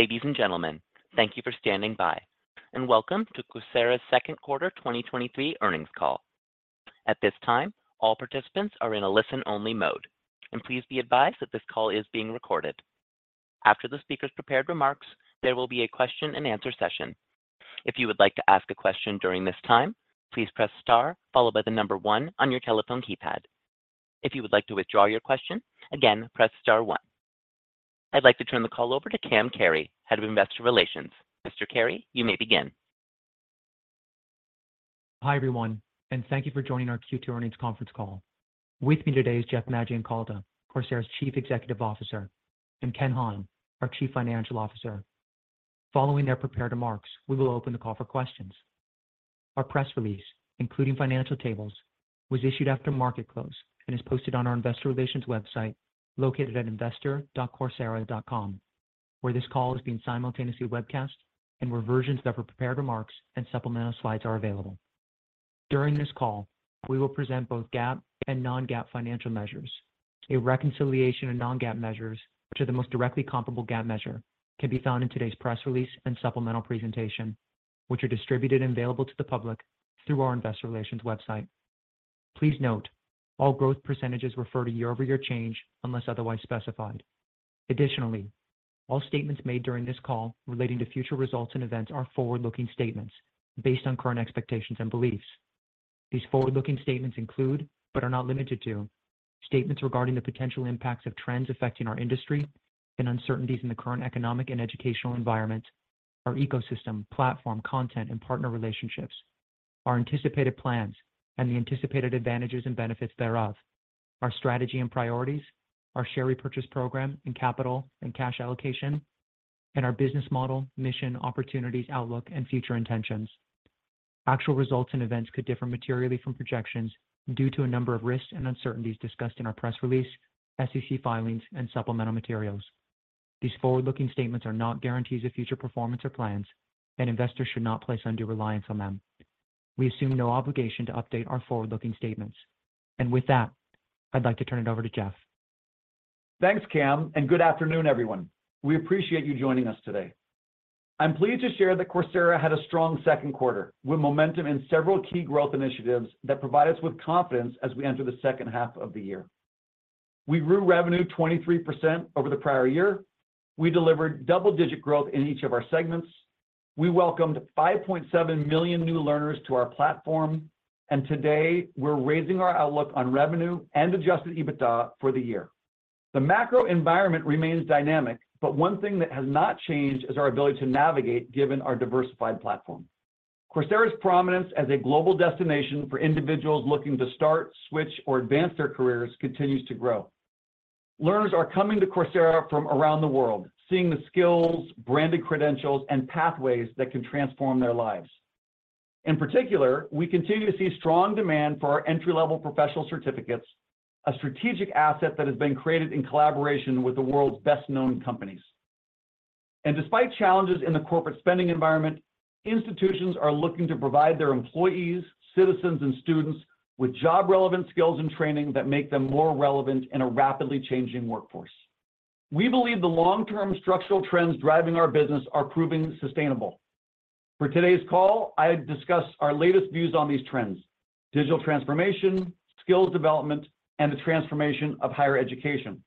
Ladies and gentlemen, thank you for standing by, and welcome to Coursera's Second Quarter 2023 Earnings Call. At this time, all participants are in a listen-only mode, and please be advised that this call is being recorded. After the speaker's prepared remarks, there will be a question-and-answer session. If you would like to ask a question during this time, please press star followed by the number 1 on your telephone keypad. If you would like to withdraw your question, again, press star one. I'd like to turn the call over to Cam Carey, Head of Investor Relations. Mr. Carey, you may begin. Hi, everyone, and thank you for joining our Q2 Earnings Conference Call. With me today is Jeff Maggioncalda, Coursera's Chief Executive Officer, and Ken Hahn, our Chief Financial Officer. Following their prepared remarks, we will open the call for questions. Our press release, including financial tables, was issued after market close and is posted on our investor relations website, located at investor.coursera.com, where this call is being simultaneously webcast and where versions of our prepared remarks and supplemental slides are available. During this call, we will present both GAAP and non-GAAP financial measures. A reconciliation of non-GAAP measures, which are the most directly comparable GAAP measure, can be found in today's press release and supplemental presentation, which are distributed and available to the public through our investor relations website. Please note, all growth percentages refer to year-over-year change unless otherwise specified. Additionally, all statements made during this call relating to future results and events are forward-looking statements based on current expectations and beliefs. These forward-looking statements include, but are not limited to, statements regarding the potential impacts of trends affecting our industry and uncertainties in the current economic and educational environment, our ecosystem, platform, content, and partner relationships, our anticipated plans and the anticipated advantages and benefits thereof, our strategy and priorities, our share repurchase program and capital and cash allocation, and our business model, mission, opportunities, outlook, and future intentions. Actual results and events could differ materially from projections due to a number of risks and uncertainties discussed in our press release, SEC filings, and supplemental materials. These forward-looking statements are not guarantees of future performance or plans, and investors should not place undue reliance on them. We assume no obligation to update our forward-looking statements. With that, I'd like to turn it over to Jeff. Thanks, Cam. Good afternoon, everyone. We appreciate you joining us today. I'm pleased to share that Coursera had a strong second quarter, with momentum in several key growth initiatives that provide us with confidence as we enter the second half of the year. We grew revenue 23% over the prior year. We delivered double-digit growth in each of our segments. We welcomed 5.7 million new learners to our platform, and today, we're raising our outlook on revenue and Adjusted EBITDA for the year. The macro environment remains dynamic, but one thing that has not changed is our ability to navigate given our diversified platform. Coursera's prominence as a global destination for individuals looking to start, switch, or advance their careers continues to grow. Learners are coming to Coursera from around the world, seeing the skills, branded credentials, and pathways that can transform their lives. In particular, we continue to see strong demand for our entry-level professional certificates, a strategic asset that has been created in collaboration with the world's best-known companies. Despite challenges in the corporate spending environment, institutions are looking to provide their employees, citizens, and students with job-relevant skills and training that make them more relevant in a rapidly changing workforce. We believe the long-term structural trends driving our business are proving sustainable. For today's call, I discuss our latest views on these trends: digital transformation, skills development, and the transformation of higher education.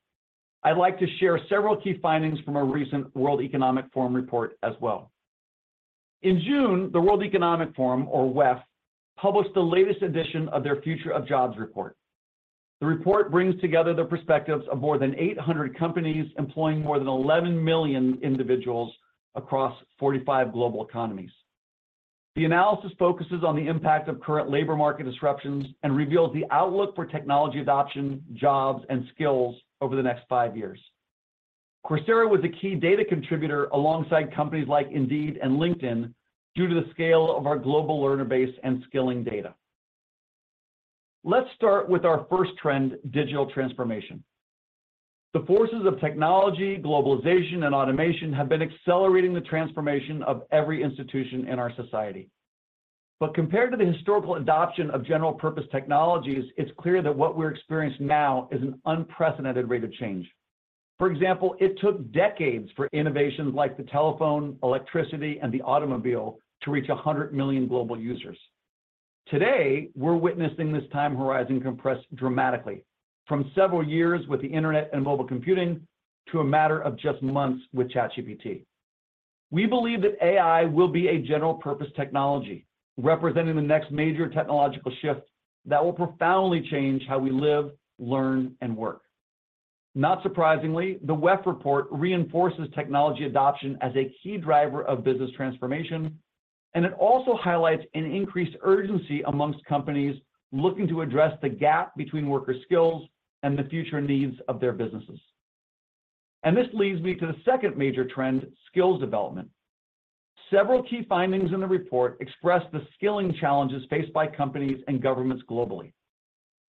I'd like to share several key findings from a recent World Economic Forum report as well. In June, the World Economic Forum, or WEF, published the latest edition of their Future of Jobs Report. The report brings together the perspectives of more than 800 companies employing more than 11 million individuals across 45 global economies. The analysis focuses on the impact of current labor market disruptions and reveals the outlook for technology adoption, jobs, and skills over the next five years. Coursera was a key data contributor alongside companies like Indeed and LinkedIn, due to the scale of our global learner base and skilling data. Let's start with our first trend, digital transformation. The forces of technology, globalization, and automation have been accelerating the transformation of every institution in our society. Compared to the historical adoption of general-purpose technologies, it's clear that what we're experiencing now is an unprecedented rate of change. For example, it took decades for innovations like the telephone, electricity, and the automobile to reach 100 million global users. Today, we're witnessing this time horizon compress dramatically, from several years with the internet and mobile computing to a matter of just months with ChatGPT. We believe that AI will be a general-purpose technology, representing the next major technological shift that will profoundly change how we live, learn, and work. Not surprisingly, the WEF report reinforces technology adoption as a key driver of business transformation, it also highlights an increased urgency amongst companies looking to address the gap between worker skills and the future needs of their businesses. This leads me to the second major trend, skills development. Several key findings in the report express the skilling challenges faced by companies and governments globally.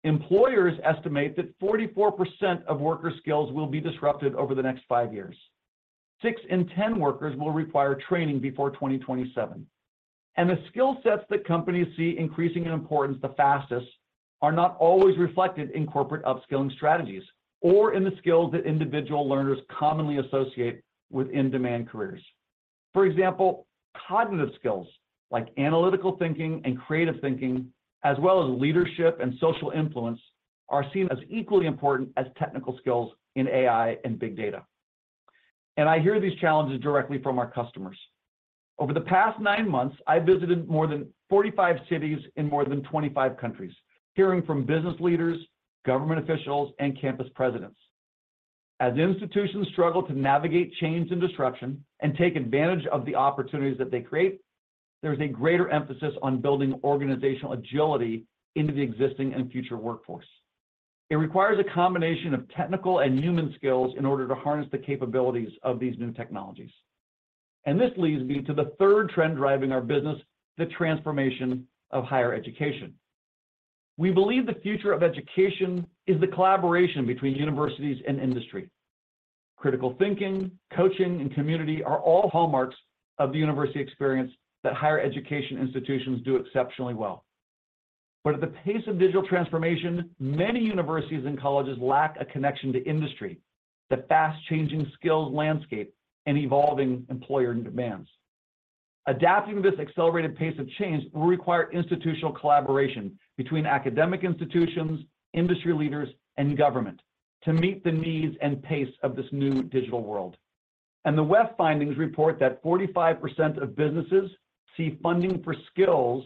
Employers estimate that 44% of worker skills will be disrupted over the next 5 years. 6 in 10 workers will require training before 2027. The skill sets that companies see increasing in importance the fastest are not always reflected in corporate upskilling strategies or in the skills that individual learners commonly associate with in-demand careers. For example, cognitive skills like analytical thinking and creative thinking, as well as leadership and social influence, are seen as equally important as technical skills in AI and big data. I hear these challenges directly from our customers. Over the past 9 months, I visited more than 45 cities in more than 25 countries, hearing from business leaders, government officials, and campus presidents. As institutions struggle to navigate change and disruption and take advantage of the opportunities that they create, there's a greater emphasis on building organizational agility into the existing and future workforce. It requires a combination of technical and human skills in order to harness the capabilities of these new technologies. This leads me to the third trend driving our business, the transformation of higher education. We believe the future of education is the collaboration between universities and industry. Critical thinking, coaching, and community are all hallmarks of the university experience that higher education institutions do exceptionally well. At the pace of digital transformation, many universities and colleges lack a connection to industry, the fast-changing skills landscape, and evolving employer demands. Adapting to this accelerated pace of change will require institutional collaboration between academic institutions, industry leaders, and government to meet the needs and pace of this new digital world. The WEF's findings report that 45% of businesses see funding for skills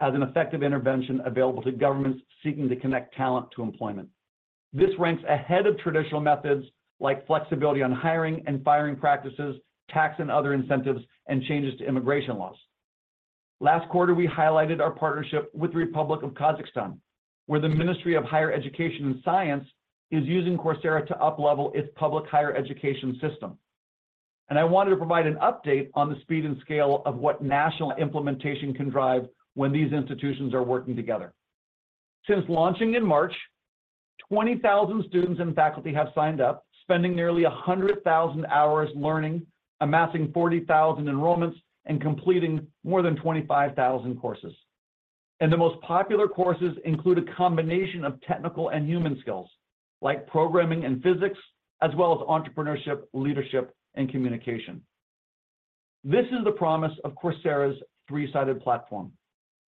as an effective intervention available to governments seeking to connect talent to employment. This ranks ahead of traditional methods like flexibility on hiring and firing practices, tax and other incentives, and changes to immigration laws. Last quarter, we highlighted our partnership with the Republic of Kazakhstan, where the Ministry of Higher Education and Science is using Coursera to uplevel its public higher education system. I wanted to provide an update on the speed and scale of what national implementation can drive when these institutions are working together. Since launching in March, 20,000 students and faculty have signed up, spending nearly 100,000 hours learning, amassing 40,000 enrollments, and completing more than 25,000 courses. The most popular courses include a combination of technical and human skills, like programming and physics, as well as entrepreneurship, leadership, and communication. This is the promise of Coursera's three-sided platform,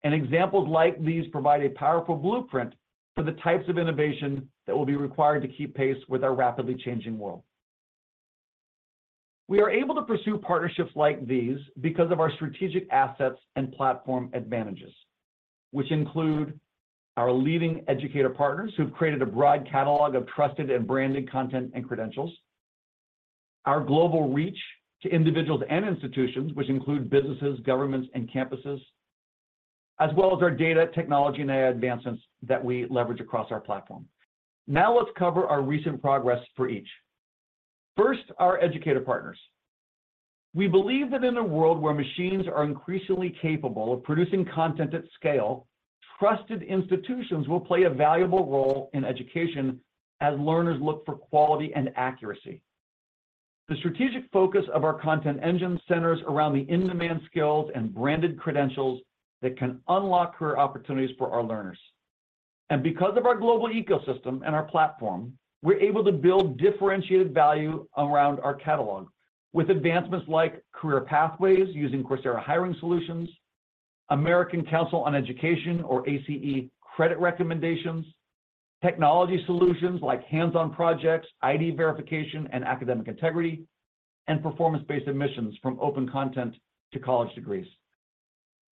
and examples like these provide a powerful blueprint for the types of innovation that will be required to keep pace with our rapidly changing world. We are able to pursue partnerships like these because of our strategic assets and platform advantages, which include our leading educator partners, who've created a broad catalog of trusted and branded content and credentials. Our global reach to individuals and institutions, which include businesses, governments, and campuses, as well as our data technology and AI advancements that we leverage across our platform. Now, let's cover our recent progress for each. First, our educator partners. We believe that in a world where machines are increasingly capable of producing content at scale, trusted institutions will play a valuable role in education as learners look for quality and accuracy. Because of our global ecosystem and our platform, we're able to build differentiated value around our catalog with advancements like career pathways using Coursera Hiring Solutions, American Council on Education or ACE credit recommendations, technology solutions like hands-on projects, ID verification, and academic integrity, and performance-based admissions from open content to college degrees.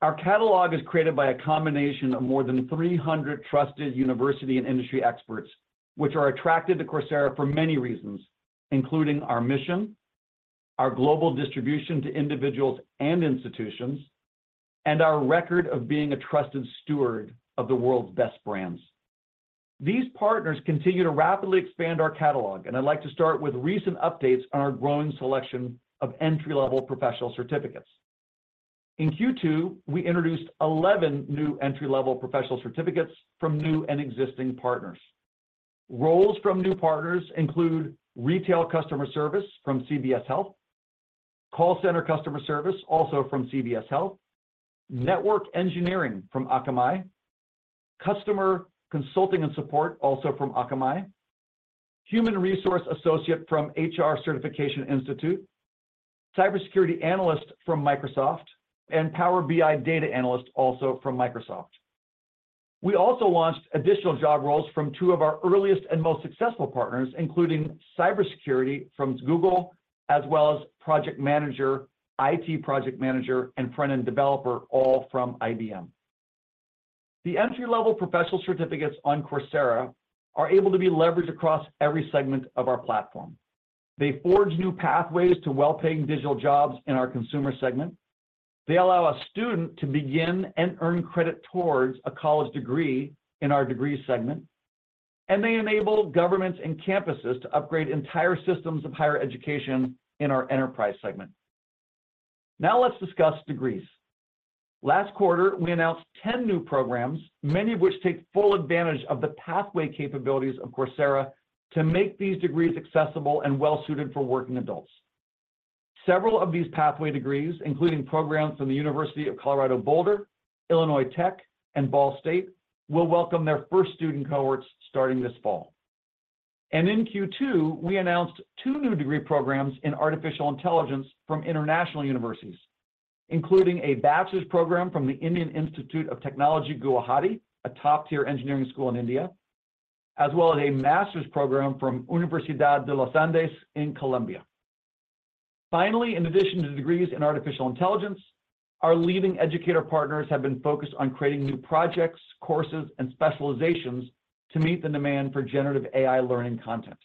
Our catalog is created by a combination of more than 300 trusted university and industry experts, which are attracted to Coursera for many reasons, including our mission, our global distribution to individuals and institutions, and our record of being a trusted steward of the world's best brands. These partners continue to rapidly expand our catalog, I'd like to start with recent updates on our growing selection of entry-level professional certificates. In Q2, we introduced 11 new entry-level professional certificates from new and existing partners. Roles from new partners include Retail Customer Service from CVS Health, Call Center Customer Service, also from CVS Health, Network Engineering from Akamai, Customer Consulting and Support, also from Akamai, Human Resource Associate from HR Certification Institute, Cybersecurity Analyst from Microsoft, and Power BI Data Analyst, also from Microsoft. We also launched additional job roles from two of our earliest and most successful partners, including Cybersecurity from Google, as well as Project Manager, IT Project Manager, and Frontend Developer, all from IBM. The entry-level professional certificates on Coursera are able to be leveraged across every segment of our platform. They forge new pathways to well-paying digital jobs in our consumer segment. They allow a student to begin and earn credit towards a college degree in our degree segment, they enable governments and campuses to upgrade entire systems of higher education in our enterprise segment. Now, let's discuss degrees. Last quarter, we announced 10 new programs, many of which take full advantage of the pathway capabilities of Coursera to make these degrees accessible and well-suited for working adults.... Several of these pathway degrees, including programs from the University of Colorado Boulder, Illinois Tech, and Ball State, will welcome their first student cohorts starting this fall. In Q2, we announced two new degree programs in artificial intelligence from international universities, including a bachelor's program from the Indian Institute of Technology Guwahati, a top-tier engineering school in India, as well as a master's program from Universidad de los Andes in Colombia. Finally, in addition to degrees in artificial intelligence, our leading educator partners have been focused on creating new projects, courses, and specializations to meet the demand for generative AI learning content.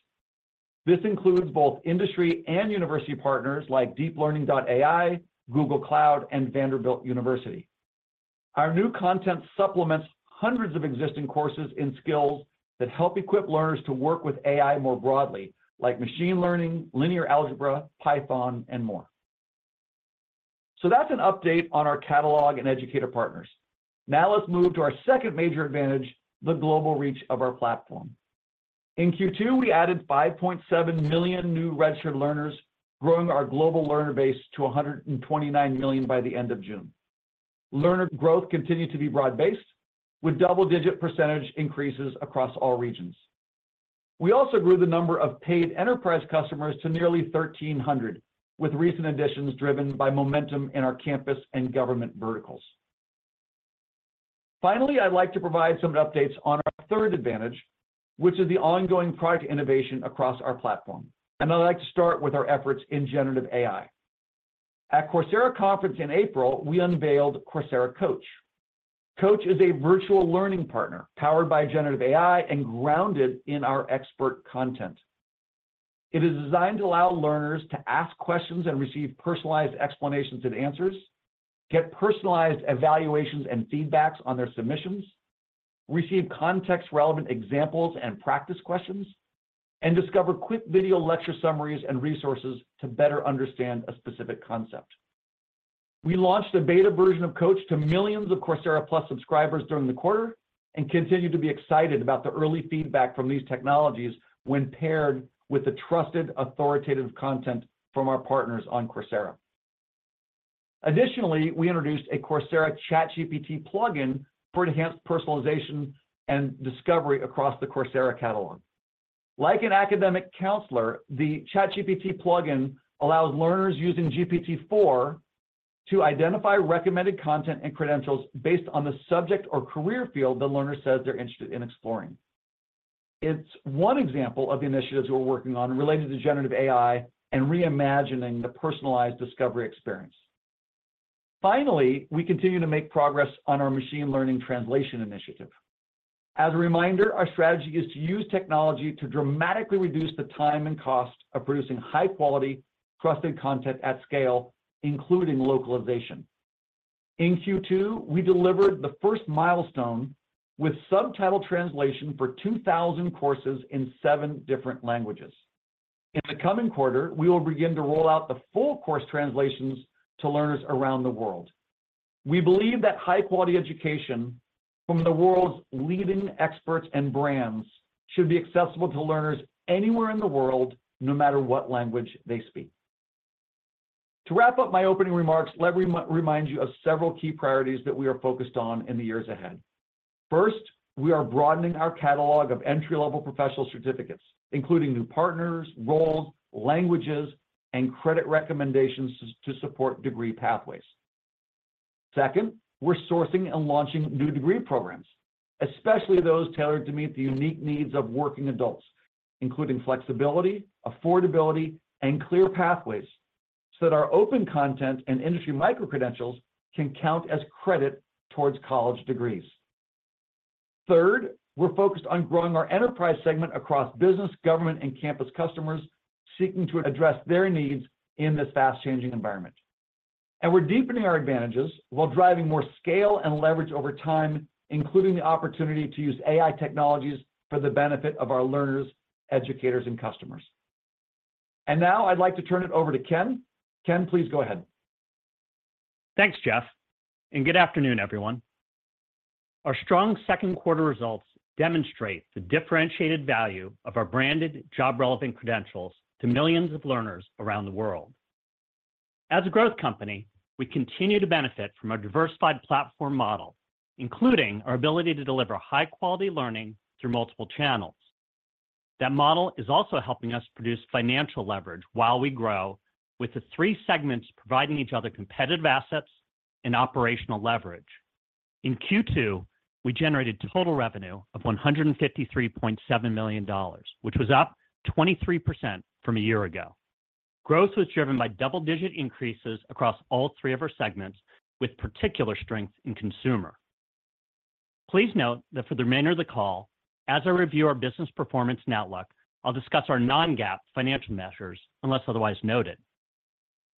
This includes both industry and university partners like DeepLearning.AI, Google Cloud, and Vanderbilt University. Our new content supplements hundreds of existing courses in skills that help equip learners to work with AI more broadly, like machine learning, linear algebra, Python, and more. That's an update on our catalog and educator partners. Now, let's move to our second major advantage, the global reach of our platform. In Q2, we added 5.7 million new registered learners, growing our global learner base to 129 million by the end of June. Learner growth continued to be broad-based, with double-digit % increases across all regions. We also grew the number of paid enterprise customers to nearly 1,300, with recent additions driven by momentum in our campus and government verticals. Finally, I'd like to provide some updates on our third advantage, which is the ongoing product innovation across our platform, and I'd like to start with our efforts in generative AI. At Coursera Conference in April, we unveiled Coursera Coach. Coach is a virtual learning partner, powered by generative AI and grounded in our expert content. It is designed to allow learners to ask questions and receive personalized explanations and answers, get personalized evaluations and feedbacks on their submissions, receive context-relevant examples and practice questions, and discover quick video lecture summaries and resources to better understand a specific concept. We launched a beta version of Coach to millions of Coursera Plus subscribers during the quarter and continue to be excited about the early feedback from these technologies when paired with the trusted, authoritative content from our partners on Coursera. Additionally, we introduced a Coursera ChatGPT plugin for enhanced personalization and discovery across the Coursera catalog. Like an academic counselor, the ChatGPT plugin allows learners using GPT-4 to identify recommended content and credentials based on the subject or career field the learner says they're interested in exploring. It's 1 example of the initiatives we're working on related to generative AI and reimagining the personalized discovery experience. Finally, we continue to make progress on our machine learning translation initiative. As a reminder, our strategy is to use technology to dramatically reduce the time and cost of producing high-quality, trusted content at scale, including localization. In Q2, we delivered the first milestone with subtitle translation for 2,000 courses in 7 different languages. In the coming quarter, we will begin to roll out the full course translations to learners around the world. We believe that high-quality education from the world's leading experts and brands should be accessible to learners anywhere in the world, no matter what language they speak. To wrap up my opening remarks, let me re-remind you of several key priorities that we are focused on in the years ahead. First, we are broadening our catalog of entry-level professional certificates, including new partners, roles, languages, and credit recommendations to support degree pathways. Second, we're sourcing and launching new degree programs, especially those tailored to meet the unique needs of working adults, including flexibility, affordability, and clear pathways so that our open content and industry micro-credentials can count as credit towards college degrees. Third, we're focused on growing our enterprise segment across business, government, and campus customers seeking to address their needs in this fast-changing environment. We're deepening our advantages while driving more scale and leverage over time, including the opportunity to use AI technologies for the benefit of our learners, educators, and customers. Now I'd like to turn it over to Ken. Ken, please go ahead. Thanks, Jeff, and good afternoon, everyone. Our strong second quarter results demonstrate the differentiated value of our branded job-relevant credentials to millions of learners around the world. As a growth company, we continue to benefit from a diversified platform model, including our ability to deliver high-quality learning through multiple channels. That model is also helping us produce financial leverage while we grow, with the three segments providing each other competitive assets and operational leverage. In Q2, we generated total revenue of $153.7 million, which was up 23% from a year ago. Growth was driven by double-digit increases across all three of our segments, with particular strength in consumer. Please note that for the remainder of the call, as I review our business performance and outlook, I'll discuss our non-GAAP financial measures, unless otherwise noted.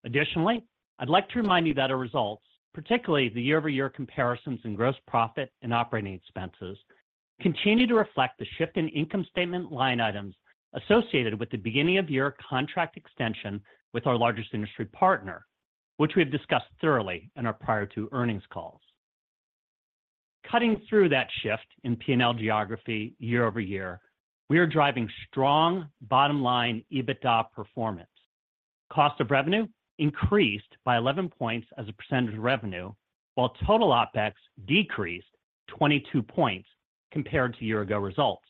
Additionally, I'd like to remind you that our results, particularly the year-over-year comparisons in gross profit and operating expenses, continue to reflect the shift in income statement line items associated with the beginning-of-year contract extension with our largest industry partner, which we have discussed thoroughly in our prior two earnings calls. Cutting through that shift in P&L geography year-over-year, we are driving strong bottom line EBITDA performance. Cost of revenue increased by 11 points as a percentage of revenue, while total OpEx decreased 22 points compared to year-ago results.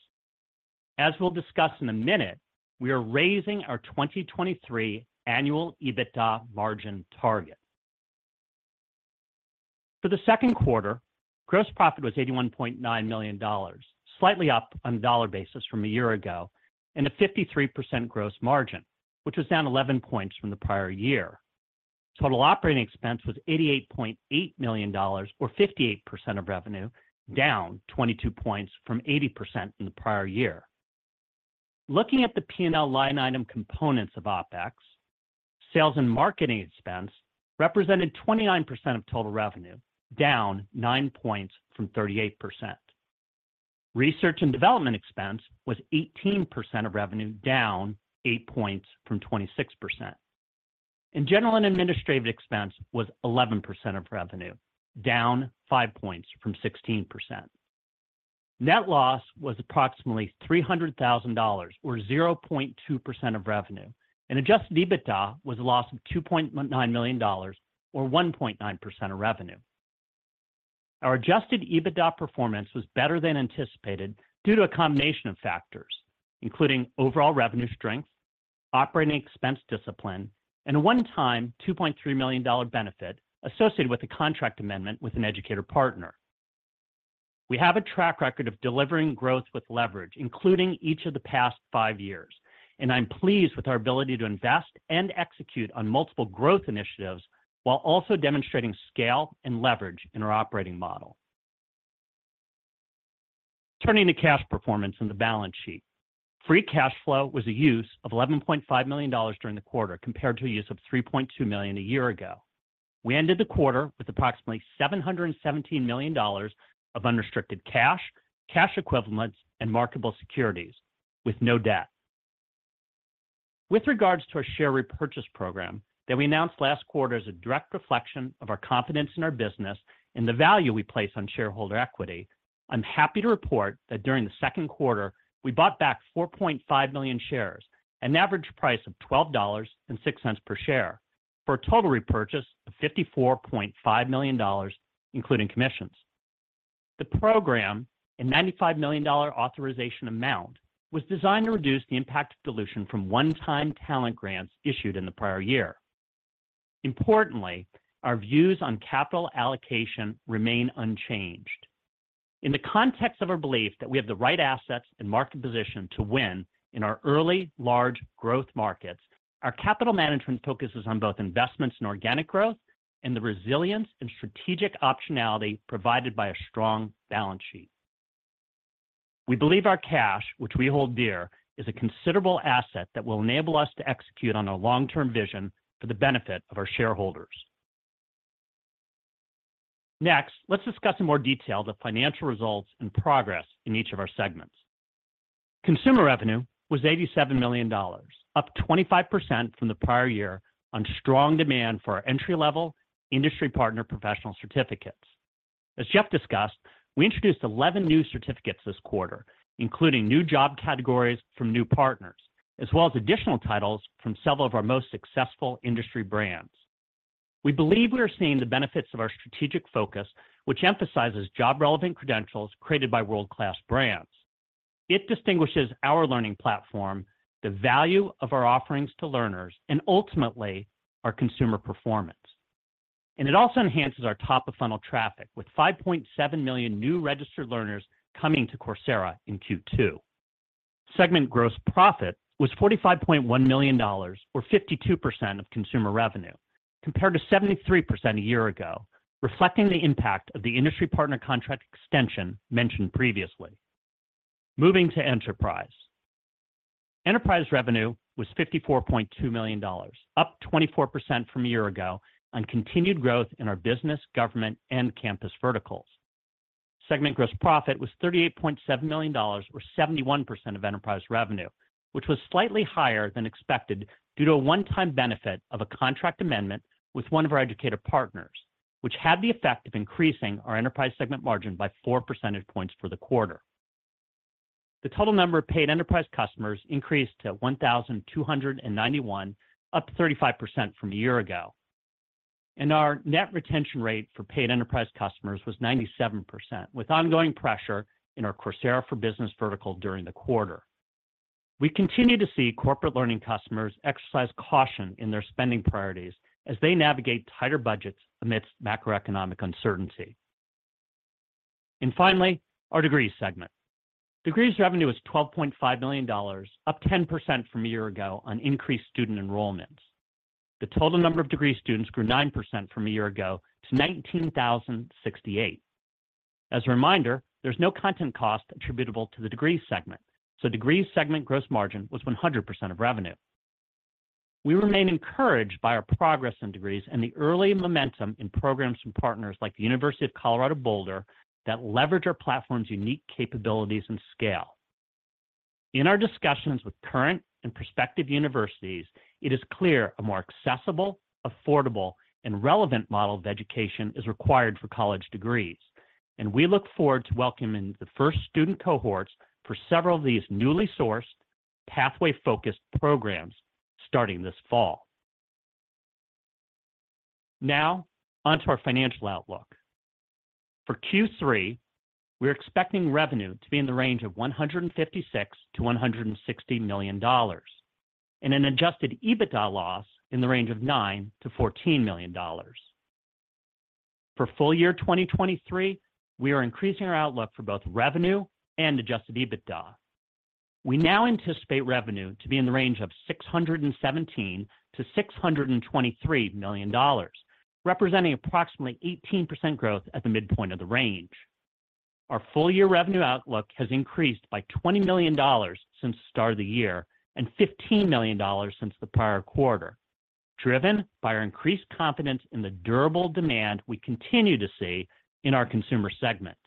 As we'll discuss in a minute, we are raising our 2023 annual EBITDA margin target. For the second quarter, gross profit was $81.9 million, slightly up on a dollar basis from a year ago, and a 53% gross margin, which was down 11 points from the prior year. Total operating expense was $88.8 million, or 58% of revenue, down 22 points from 80% in the prior year. Looking at the P&L line item components of OpEx, sales and marketing expense represented 29% of total revenue, down 9 points from 38%. Research and development expense was 18% of revenue, down 8 points from 26%. General and administrative expense was 11% of revenue, down 5 points from 16%. Net loss was approximately $300,000, or 0.2% of revenue, and Adjusted EBITDA was a loss of $2.9 million, or 1.9% of revenue. Our Adjusted EBITDA performance was better than anticipated due to a combination of factors, including overall revenue strength, operating expense discipline, and a one-time $2.3 million benefit associated with a contract amendment with an educator partner. We have a track record of delivering growth with leverage, including each of the past five years, and I'm pleased with our ability to invest and execute on multiple growth initiatives while also demonstrating scale and leverage in our operating model. Turning to cash performance on the balance sheet. Free cash flow was a use of $11.5 million during the quarter, compared to a use of $3.2 million a year ago. We ended the quarter with approximately $717 million of unrestricted cash, cash equivalents, and marketable securities, with no debt. With regards to our share repurchase program that we announced last quarter as a direct reflection of our confidence in our business and the value we place on shareholder equity, I'm happy to report that during the second quarter, we bought back 4.5 million shares, an average price of $12.06 per share, for a total repurchase of $54.5 million, including commissions. The program, a $95 million authorization amount, was designed to reduce the impact of dilution from one-time talent grants issued in the prior year. Importantly, our views on capital allocation remain unchanged. In the context of our belief that we have the right assets and market position to win in our early large growth markets, our capital management focuses on both investments in organic growth and the resilience and strategic optionality provided by a strong balance sheet. We believe our cash, which we hold dear, is a considerable asset that will enable us to execute on our long-term vision for the benefit of our shareholders. Next, let's discuss in more detail the financial results and progress in each of our segments. Consumer revenue was $87 million, up 25% from the prior year on strong demand for our entry-level industry partner professional certificates. As Jeff discussed, we introduced 11 new certificates this quarter, including new job categories from new partners, as well as additional titles from several of our most successful industry brands. We believe we are seeing the benefits of our strategic focus, which emphasizes job-relevant credentials created by world-class brands. It distinguishes our learning platform, the value of our offerings to learners, and ultimately, our consumer performance. It also enhances our top-of-funnel traffic, with 5.7 million new registered learners coming to Coursera in Q2. Segment gross profit was $45.1 million, or 52% of consumer revenue, compared to 73% a year ago, reflecting the impact of the industry partner contract extension mentioned previously. Moving to enterprise. Enterprise revenue was $54.2 million, up 24% from a year ago on continued growth in our business, government, and campus verticals. Segment gross profit was $38.7 million, or 71% of enterprise revenue, which was slightly higher than expected due to a one-time benefit of a contract amendment with one of our educator partners, which had the effect of increasing our enterprise segment margin by 4 percentage points for the quarter. The total number of paid enterprise customers increased to 1,291, up 35% from a year ago, and our net retention rate for paid enterprise customers was 97%, with ongoing pressure in our Coursera for Business vertical during the quarter. We continue to see corporate learning customers exercise caution in their spending priorities as they navigate tighter budgets amidst macroeconomic uncertainty. Finally, our degrees segment. Degrees revenue is $12.5 million, up 10% from a year ago on increased student enrollments. The total number of degree students grew 9% from a year ago to 19,068. As a reminder, there's no content cost attributable to the degree segment, so degrees segment gross margin was 100% of revenue. We remain encouraged by our progress in degrees and the early momentum in programs from partners like the University of Colorado Boulder, that leverage our platform's unique capabilities and scale. In our discussions with current and prospective universities, it is clear a more accessible, affordable, and relevant model of education is required for college degrees. We look forward to welcoming the first student cohorts for several of these newly sourced, pathway-focused programs starting this fall. Now, onto our financial outlook. For Q3, we're expecting revenue to be in the range of $156 million-$160 million, and an Adjusted EBITDA loss in the range of $9 million-$14 million. For full year 2023, we are increasing our outlook for both revenue and Adjusted EBITDA. We now anticipate revenue to be in the range of $617 million-$623 million, representing approximately 18% growth at the midpoint of the range. Our full-year revenue outlook has increased by $20 million since the start of the year and $15 million since the prior quarter, driven by our increased confidence in the durable demand we continue to see in our consumer segment.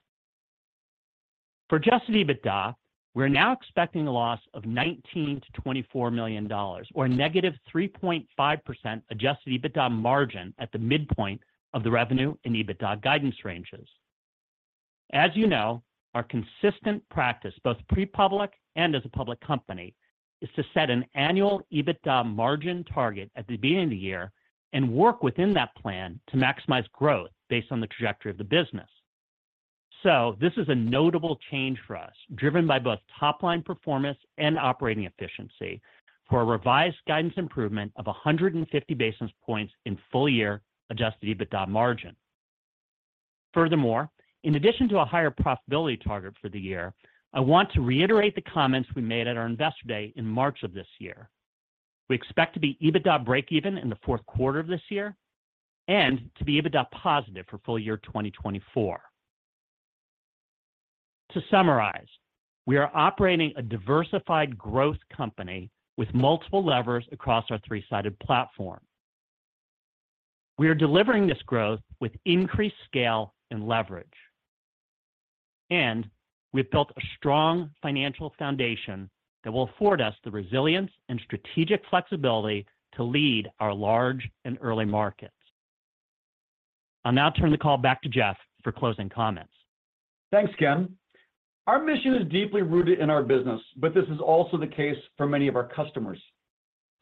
For Adjusted EBITDA, we're now expecting a loss of $19 million-$24 million, or -3.5% Adjusted EBITDA margin at the midpoint of the revenue and EBITDA guidance ranges. As you know, our consistent practice, both pre-public and as a public company, is to set an annual EBITDA margin target at the beginning of the year and work within that plan to maximize growth based on the trajectory of the business. This is a notable change for us, driven by both top-line performance and operating efficiency, for a revised guidance improvement of 150 basis points in full-year Adjusted EBITDA margin. Furthermore, in addition to a higher profitability target for the year, I want to reiterate the comments we made at our Investor Day in March of this year. We expect to be EBITDA breakeven in the fourth quarter of this year and to be EBITDA positive for full year 2024. To summarize, we are operating a diversified growth company with multiple levers across our three-sided platform. We are delivering this growth with increased scale and leverage, and we've built a strong financial foundation that will afford us the resilience and strategic flexibility to lead our large and early markets. I'll now turn the call back to Jeff for closing comments. Thanks, Ken. Our mission is deeply rooted in our business, but this is also the case for many of our customers.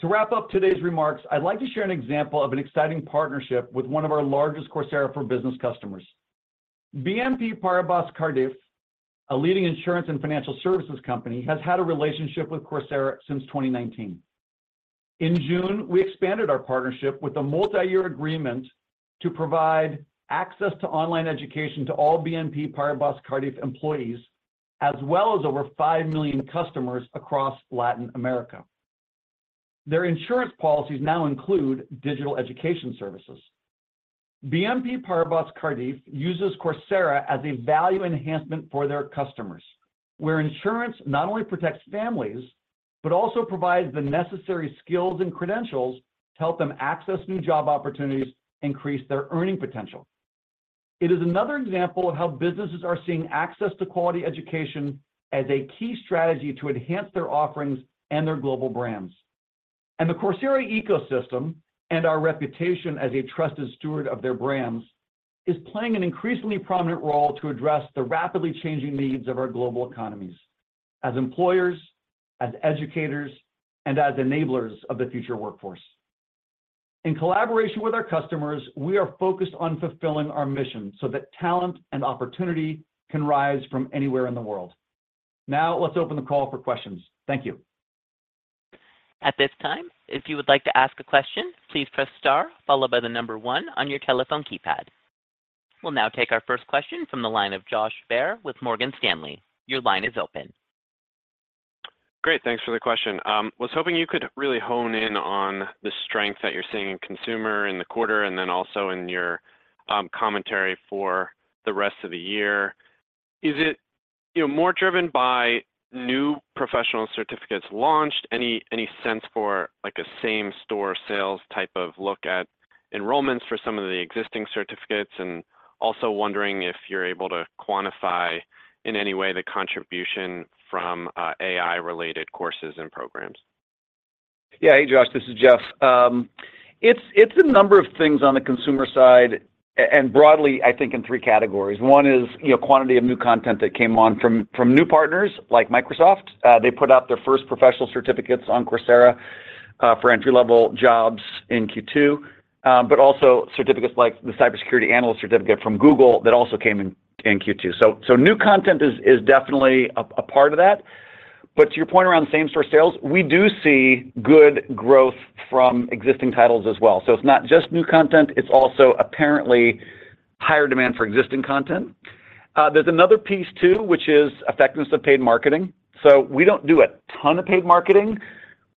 To wrap up today's remarks, I'd like to share an example of an exciting partnership with one of our largest Coursera for Business customers. BNP Paribas Cardif, a leading insurance and financial services company, has had a relationship with Coursera since 2019. In June, we expanded our partnership with a multi-year agreement to provide access to online education to all BNP Paribas Cardif employees, as well as over 5 million customers across Latin America. Their insurance policies now include digital education services. BNP Paribas Cardif uses Coursera as a value enhancement for their customers, where insurance not only protects families, but also provides the necessary skills and credentials to help them access new job opportunities, increase their earning potential. It is another example of how businesses are seeing access to quality education as a key strategy to enhance their offerings and their global brands. The Coursera ecosystem, and our reputation as a trusted steward of their brands, is playing an increasingly prominent role to address the rapidly changing needs of our global economies as employers, as educators, and as enablers of the future workforce. In collaboration with our customers, we are focused on fulfilling our mission so that talent and opportunity can rise from anywhere in the world. Now, let's open the call for questions. Thank you. At this time, if you would like to ask a question, please press star followed by 1 on your telephone keypad. We'll now take our first question from the line of Josh Baer with Morgan Stanley. Your line is open. Great, thanks for the question. Was hoping you could really hone in on the strength that you're seeing in consumer in the quarter, and then also in your commentary for the rest of the year. Is it, you know, more driven by new professional certificates launched? Any, any sense for, like, a same-store sales type of look at enrollments for some of the existing certificates? Also wondering if you're able to quantify, in any way, the contribution from AI-related courses and programs? Yeah. Hey, Josh, this is Jeff. It's, it's a number of things on the consumer side, and broadly, I think, in three categories. One is, you know, quantity of new content that came on from, from new partners like Microsoft. They put out their first professional certificates on Coursera, for entry-level jobs in Q2. Also certificates like the cybersecurity analyst certificate from Google that also came in, in Q2. New content is, is definitely a, a part of that. To your point around same-store sales, we do see good growth from existing titles as well. It's not just new content, it's also apparently higher demand for existing content. There's another piece, too, which is effectiveness of paid marketing. We don't do a ton of paid marketing,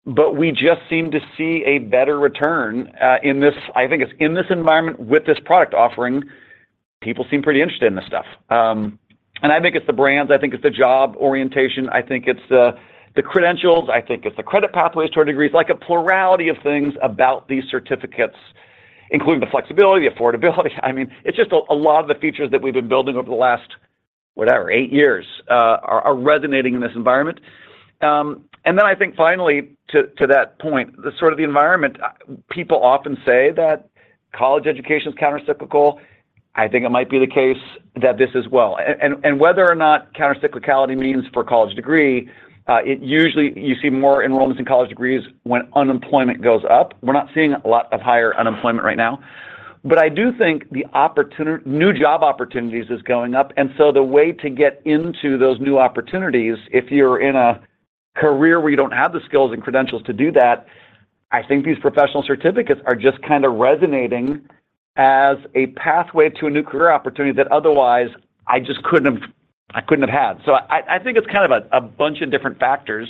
but we just seem to see a better return in this-- I think it's in this environment with this product offering, people seem pretty interested in this stuff. I think it's the brands, I think it's the job orientation, I think it's the credentials, I think it's the credit pathways toward degrees, like a plurality of things about these certificates.... including the flexibility, affordability, I mean, it's just a, a lot of the features that we've been building over the last, whatever, 8 years, are resonating in this environment. Then I think finally, to, to that point, the sort of the environment, people often say that college education is countercyclical. I think it might be the case that this as well. Whether or not countercyclicality means for a college degree, it usually you see more enrollments in college degrees when unemployment goes up. We're not seeing a lot of higher unemployment right now. I do think the opportunity, new job opportunities is going up, and so the way to get into those new opportunities, if you're in a career where you don't have the skills and credentials to do that, I think these professional certificates are just kind of resonating as a pathway to a new career opportunity that otherwise I just couldn't have, I couldn't have had. I, I think it's kind of a, a bunch of different factors,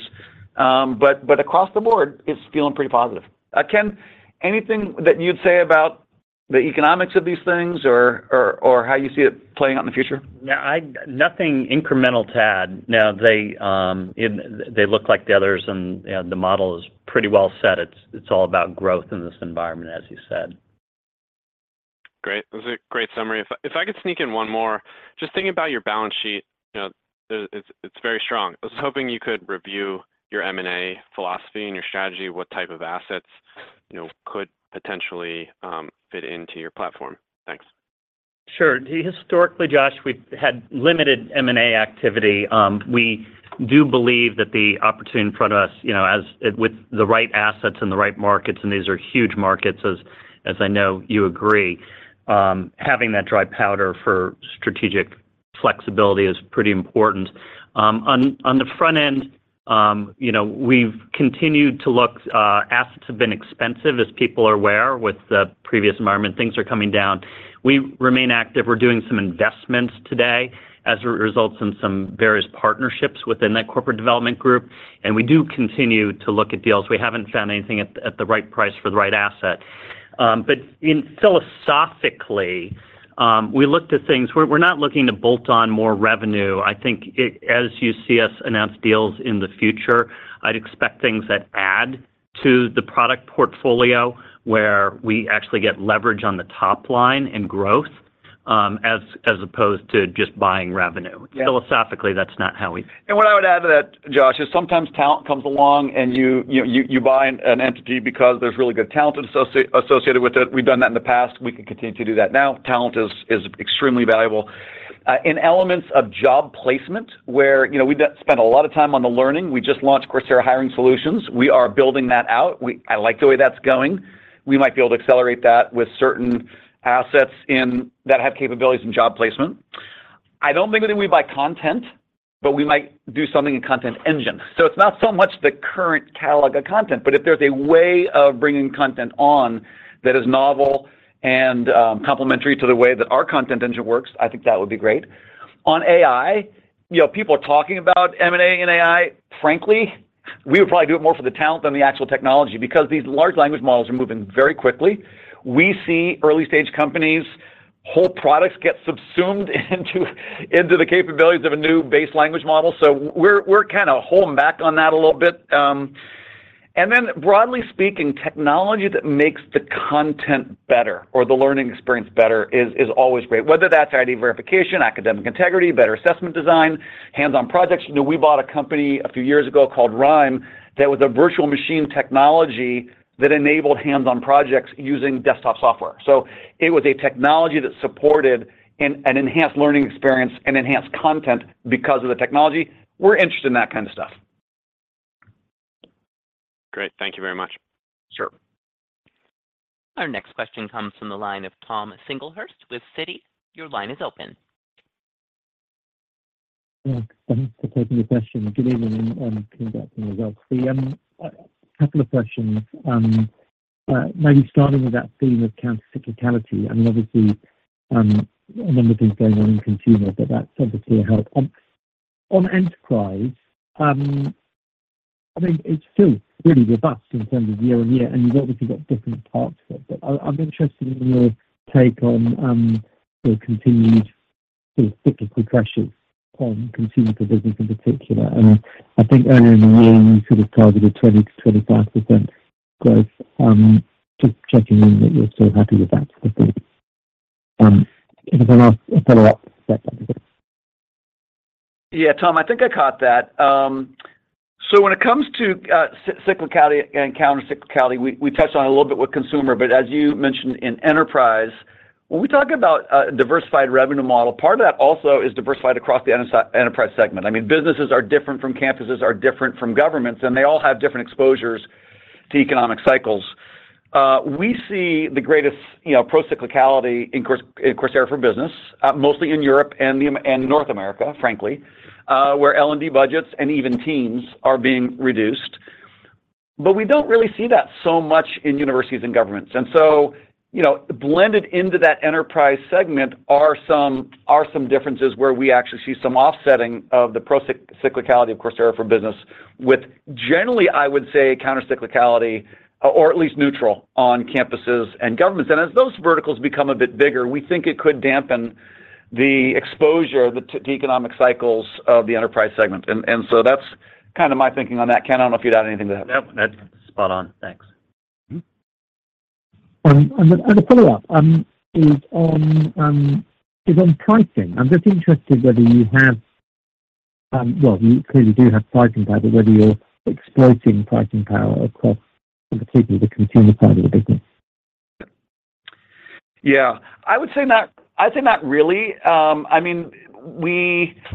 but, but across the board, it's feeling pretty positive. Ken, anything that you'd say about the economics of these things or, or, or how you see it playing out in the future? Yeah, I, nothing incremental to add. They look like the others, and the model is pretty well set. It's, it's all about growth in this environment, as you said. Great. That was a great summary. If I, if I could sneak in one more: just thinking about your balance sheet, you know, the, it's, it's very strong. I was hoping you could review your M&A philosophy and your strategy, what type of assets, you know, could potentially fit into your platform. Thanks. Sure. Historically, Josh, we've had limited M&A activity. We do believe that the opportunity in front of us, you know, as with the right assets and the right markets, and these are huge markets, as, as I know you agree, having that dry powder for strategic flexibility is pretty important. On, on the front end, you know, we've continued to look, assets have been expensive, as people are aware, with the previous environment. Things are coming down. We remain active. We're doing some investments today as a result of some various partnerships within that corporate development group, and we do continue to look at deals. We haven't found anything at the right price for the right asset. In philosophically, we looked at things... We're not looking to bolt on more revenue. I think as you see us announce deals in the future, I'd expect things that add to the product portfolio, where we actually get leverage on the top line in growth, as, as opposed to just buying revenue. Yeah. Philosophically, that's not how we- What I would add to that, Josh, is sometimes talent comes along, and you buy an entity because there's really good talent associated with it. We've done that in the past. We can continue to do that now. Talent is, is extremely valuable. In elements of job placement, where, you know, we do spend a lot of time on the learning. We just launched Coursera Hiring Solutions. We are building that out. I like the way that's going. We might be able to accelerate that with certain assets in-- that have capabilities in job placement. I don't think that we buy content, but we might do something in content engine. It's not so much the current catalog of content, but if there's a way of bringing content on that is novel and complementary to the way that our content engine works, I think that would be great. On AI, you know, people are talking about M&A and AI. Frankly, we would probably do it more for the talent than the actual technology because these large language models are moving very quickly. We see early-stage companies, whole products get subsumed into the capabilities of a new base language model, so we're, we're kind of holding back on that a little bit. Broadly speaking, technology that makes the content better or the learning experience better is always great, whether that's ID verification, academic integrity, better assessment design, hands-on projects. You know, we bought a company a few years ago called Rhyme that was a virtual machine technology that enabled hands-on projects using desktop software. It was a technology that supported an enhanced learning experience and enhanced content because of the technology. We're interested in that kind of stuff. Great. Thank you very much. Sure. Our next question comes from the line of Tom Singlehurst with Citi. Your line is open. Thanks for taking the question. Good evening, congratulations on the results. A couple of questions. Maybe starting with that theme of countercyclicality, I mean, obviously, a number of things going on in consumer, but that's obviously a help. On enterprise, I think it's still really robust in terms of year-over-year, and you've obviously got different parts of it, but I, I'm interested in your take on the continued sort of cyclical pressures on consumer business in particular. I, I think earlier in the year, you sort of targeted 20%-25% growth. Just checking in that you're still happy with that for the... Then I'll follow up after that. Yeah, Tom, I think I caught that. When it comes to cyclicality and countercyclicality, we, we touched on it a little bit with consumer, but as you mentioned in enterprise, when we talk about a diversified revenue model, part of that also is diversified across the enterprise segment. I mean, businesses are different from campuses, are different from governments, and they all have different exposures to economic cycles. We see the greatest, you know, procyclicality in Coursera for Business, mostly in Europe and North America, frankly, where L&D budgets and even teams are being reduced. We don't really see that so much in universities and governments. You know, blended into that enterprise segment are some, are some differences where we actually see some offsetting of the cyclicality of Coursera for Business with generally, I would say, countercyclicality, or at least neutral, on campuses and governments. As those verticals become a bit bigger, we think it could dampen the exposure to economic cycles of the enterprise segment. That's kind of my thinking on that, Ken. I don't know if you'd add anything to that. Nope, that's spot on. Thanks. A follow-up, is on pricing. I'm just interested whether you have-- well, you clearly do have pricing power, but whether you're exploiting pricing power across particularly the consumer side of the business? Yeah. I would say not, I'd say not really. I mean,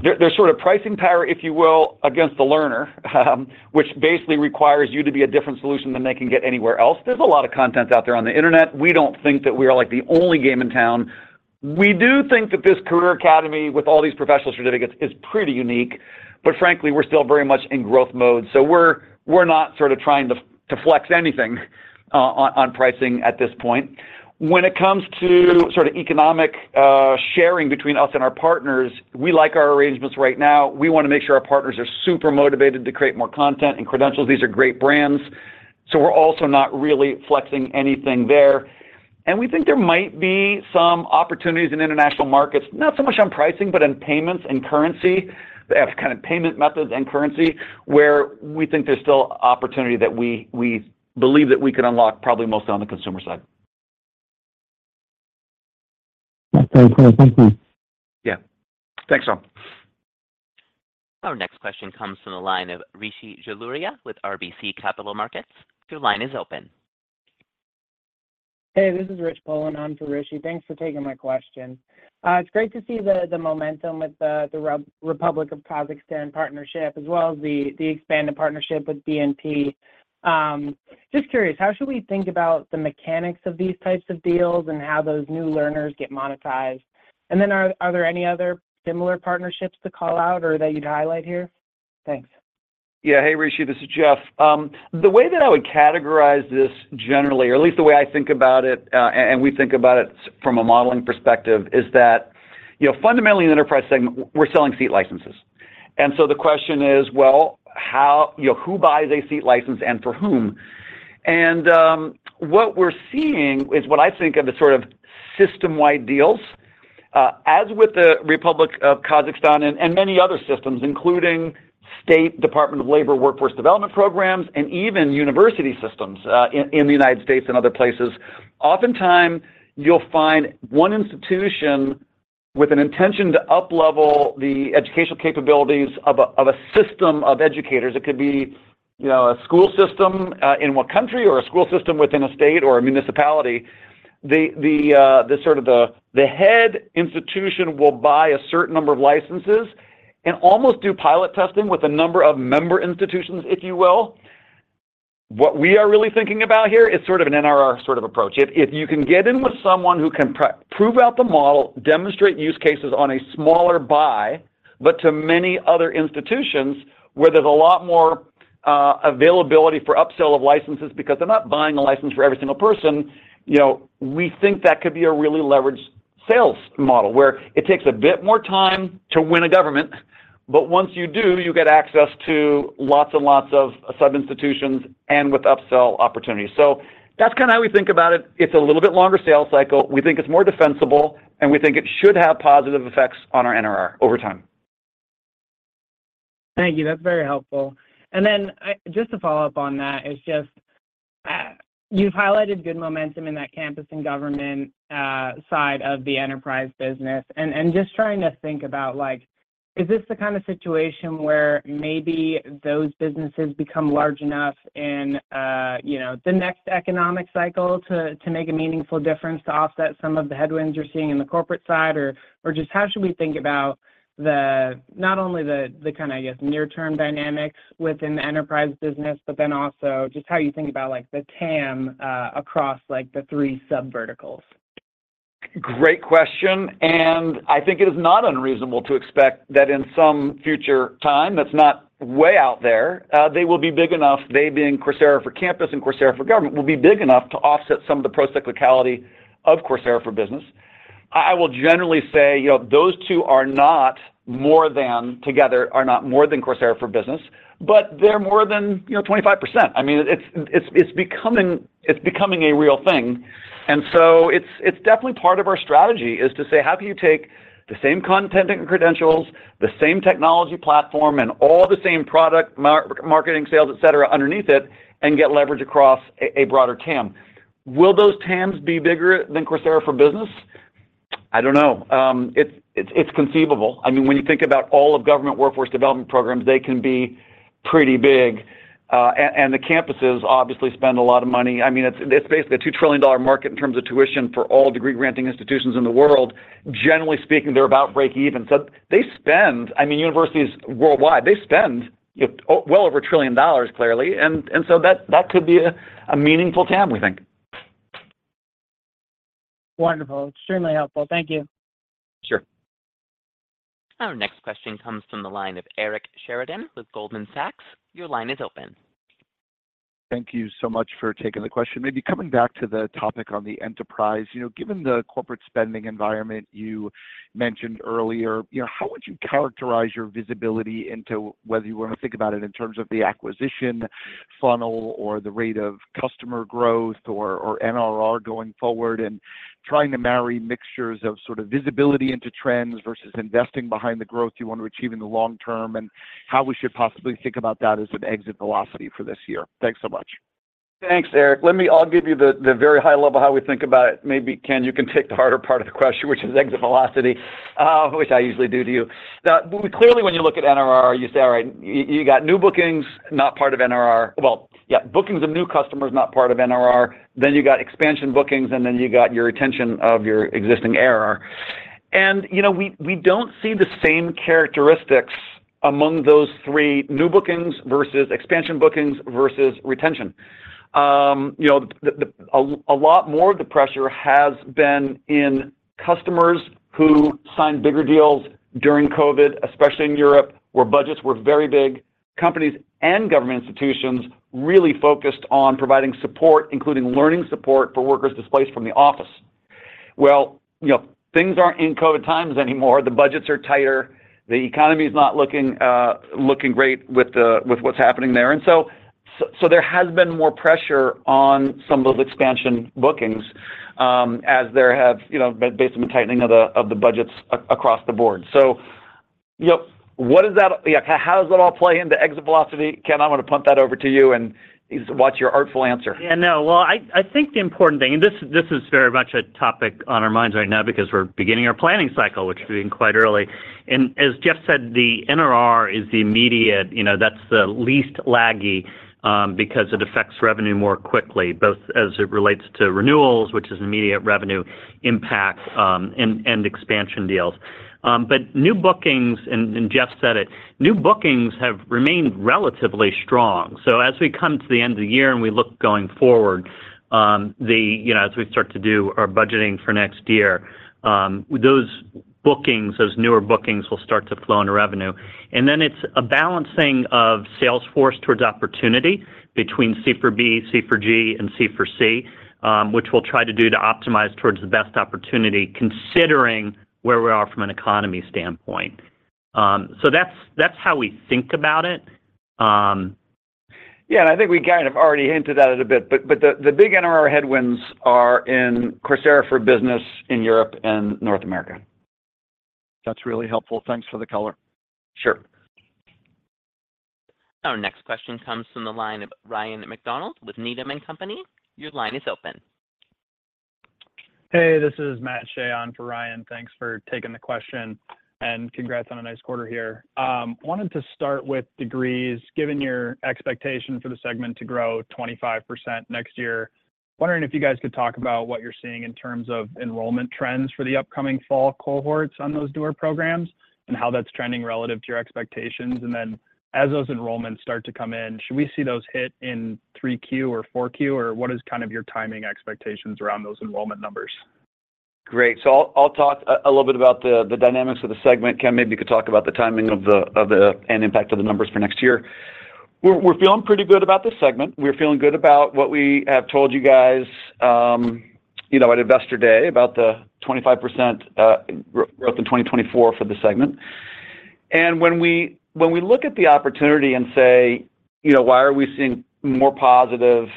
there, there's sort of pricing power, if you will, against the learner, which basically requires you to be a different solution than they can get anywhere else. There's a lot of content out there on the internet. We don't think that we are, like, the only game in town. We do think that this career academy with all these professional certificates is pretty unique, but frankly, we're still very much in growth mode. We're, we're not sort of trying to, to flex anything on pricing at this point. When it comes to sort of economic, sharing between us and our partners, we like our arrangements right now. We wanna make sure our partners are super motivated to create more content and credentials. These are great brands, so we're also not really flexing anything there. We think there might be some opportunities in international markets, not so much on pricing, but on payments and currency, as kind of payment methods and currency, where we think there's still opportunity that we, we believe that we can unlock, probably mostly on the consumer side. Okay, great. Thank you. Yeah. Thanks, Tom. Our next question comes from the line of Rishi Jaluria with RBC Capital Markets. Your line is open. Hey, this is Rich Poland on for Rishi. Thanks for taking my question. It's great to see the momentum with the Republic of Kazakhstan partnership, as well as the expanded partnership with BNP. Just curious, how should we think about the mechanics of these types of deals and how those new learners get monetized? Are there any other similar partnerships to call out or that you'd highlight here? Thanks. Yeah. Hey, Rishi, this is Jeff. The way that I would categorize this generally, or at least the way I think about it, and we think about it from a modeling perspective, is that, you know, fundamentally in the enterprise segment, we're selling seat licenses. So the question is, well, how. You know, who buys a seat license and for whom? What we're seeing is what I think are the sort of system-wide deals, as with the Republic of Kazakhstan and many other systems, including state Department of Labor workforce development programs, and even university systems, in the United States and other places. Oftentimes, you'll find one institution with an intention to uplevel the educational capabilities of a, of a system of educators. It could be, you know, a school system, in one country or a school system within a state or a municipality. The, the, the sort of the, the head institution will buy a certain number of licenses and almost do pilot testing with a number of member institutions, if you will. What we are really thinking about here is sort of an NRR sort of approach. If, if you can get in with someone who can prove out the model, demonstrate use cases on a smaller buy, but to many other institutions, where there's a lot more availability for upsell of licenses, because they're not buying a license for every single person, you know, we think that could be a really leveraged sales model, where it takes a bit more time to win a government, but once you do, you get access to lots and lots of sub-institutions and with upsell opportunities. That's kinda how we think about it. It's a little bit longer sales cycle. We think it's more defensible, and we think it should have positive effects on our NRR over time. Thank you. That's very helpful. Then, just to follow up on that, is just, you've highlighted good momentum in that Campus and Government, side of the enterprise business. Just trying to think about, like, is this the kind of situation where maybe those businesses become large enough in, you know, the next economic cycle to, to make a meaningful difference to offset some of the headwinds you're seeing in the corporate side? Just how should we think about the, not only the, the kind of, I guess, near-term dynamics within the enterprise business, but then also just how you think about, like, the TAM, across, like, the three sub-verticals? Great question, and I think it is not unreasonable to expect that in some future time, that's not way out there, they will be big enough, they being Coursera for Campus and Coursera for Government, will be big enough to offset some of the procyclicality of Coursera for Business. I, I will generally say, you know, those two are not more than, together, are not more than Coursera for Business, but they're more than, you know, 25%. I mean, it's, it's, it's becoming, it's becoming a real thing. So it's, it's definitely part of our strategy, is to say: How can you take the same content and credentials, the same technology platform, and all the same product, marketing, sales, et cetera, underneath it, and get leverage across a, a broader TAM? Will those TAMs be bigger than Coursera for Business? I don't know. It's, it's conceivable. I mean, when you think about all of government workforce development programs, they can be pretty big. The campuses obviously spend a lot of money. I mean, it's, it's basically a $2 trillion market in terms of tuition for all degree-granting institutions in the world. Generally speaking, they're about break even. They spend... I mean, universities worldwide, they spend, you know, well over $1 trillion, clearly, and so that, that could be a, a meaningful TAM, we think. Wonderful. Extremely helpful. Thank you. Sure. Our next question comes from the line of Eric Sheridan with Goldman Sachs. Your line is open. Thank you so much for taking the question. Maybe coming back to the topic on the enterprise, you know, given the corporate spending environment you mentioned earlier, you know, how would you characterize your visibility into whether you want to think about it in terms of the acquisition funnel or the rate of customer growth or, or NRR going forward, and trying to marry mixtures of sort of visibility into trends versus investing behind the growth you want to achieve in the long term, and how we should possibly think about that as an exit velocity for this year? Thanks so much. Thanks, Eric. Let me I'll give you the very high level, how we think about it. Maybe Ken, you can take the harder part of the question, which is exit velocity, which I usually do to you. Now, clearly, when you look at NRR, you say, all right, you got new bookings, not part of NRR. Well, yeah, bookings of new customers, not part of NRR. You got expansion bookings, and then you got your retention of your existing ARR. You know, we, we don't see the same characteristics among those three, new bookings versus expansion bookings versus retention. You know, the a lot more of the pressure has been in customers who signed bigger deals during COVID, especially in Europe, where budgets were very big. Companies and government institutions really focused on providing support, including learning support for workers displaced from the office. You know, things aren't in COVID times anymore. The budgets are tighter. The economy is not looking, looking great with, with what's happening there. So there has been more pressure on some of those expansion bookings, as there have, you know, based on the tightening of the, of the budgets across the board. You know, what does that... Yeah, how does that all play into exit velocity? Ken, I'm gonna pump that over to you and just watch your artful answer. Yeah, no. Well, I, I think the important thing, and this, this is very much a topic on our minds right now because we're beginning our planning cycle, which is being quite early. As Jeff said, the NRR is the immediate, you know, that's the least laggy, because it affects revenue more quickly, both as it relates to renewals, which is immediate revenue impact, and, and expansion deals. New bookings, and, and Jeff said it, new bookings have remained relatively strong. As we come to the end of the year and we look going forward, the, you know, as we start to do our budgeting for next year, those bookings, those newer bookings will start to flow into revenue. Then it's a balancing of sales force towards opportunity between C for B, C for G, and C for C, which we'll try to do to optimize towards the best opportunity, considering where we are from an economy standpoint. That's, that's how we think about it. Yeah, I think we kind of already hinted at it a bit, but the big NRR headwinds are in Coursera for Business in Europe and North America. That's really helpful. Thanks for the color. Sure. Our next question comes from the line of Ryan MacDonald with Needham & Company. Your line is open. Hey, this is Matthew Shea on for Ryan. Thanks for taking the question, and congrats on a nice quarter here. Wanted to start with Degrees. Given your expectation for the segment to grow 25% next year, wondering if you guys could talk about what you're seeing in terms of enrollment trends for the upcoming fall cohorts on those newer programs, and how that's trending relative to your expectations. Then, as those enrollments start to come in, should we see those hit in 3Q or 4Q, or what is kind of your timing expectations around those enrollment numbers? Great. I'll, I'll talk a, a little bit about the, the dynamics of the segment. Ken, maybe you could talk about the timing and impact of the numbers for next year. We're, we're feeling pretty good about this segment. We're feeling good about what we have told you guys, you know, at Investor Day, about the 25% growth in 2024 for the segment. When we, when we look at the opportunity and say, you know, why are we seeing more positive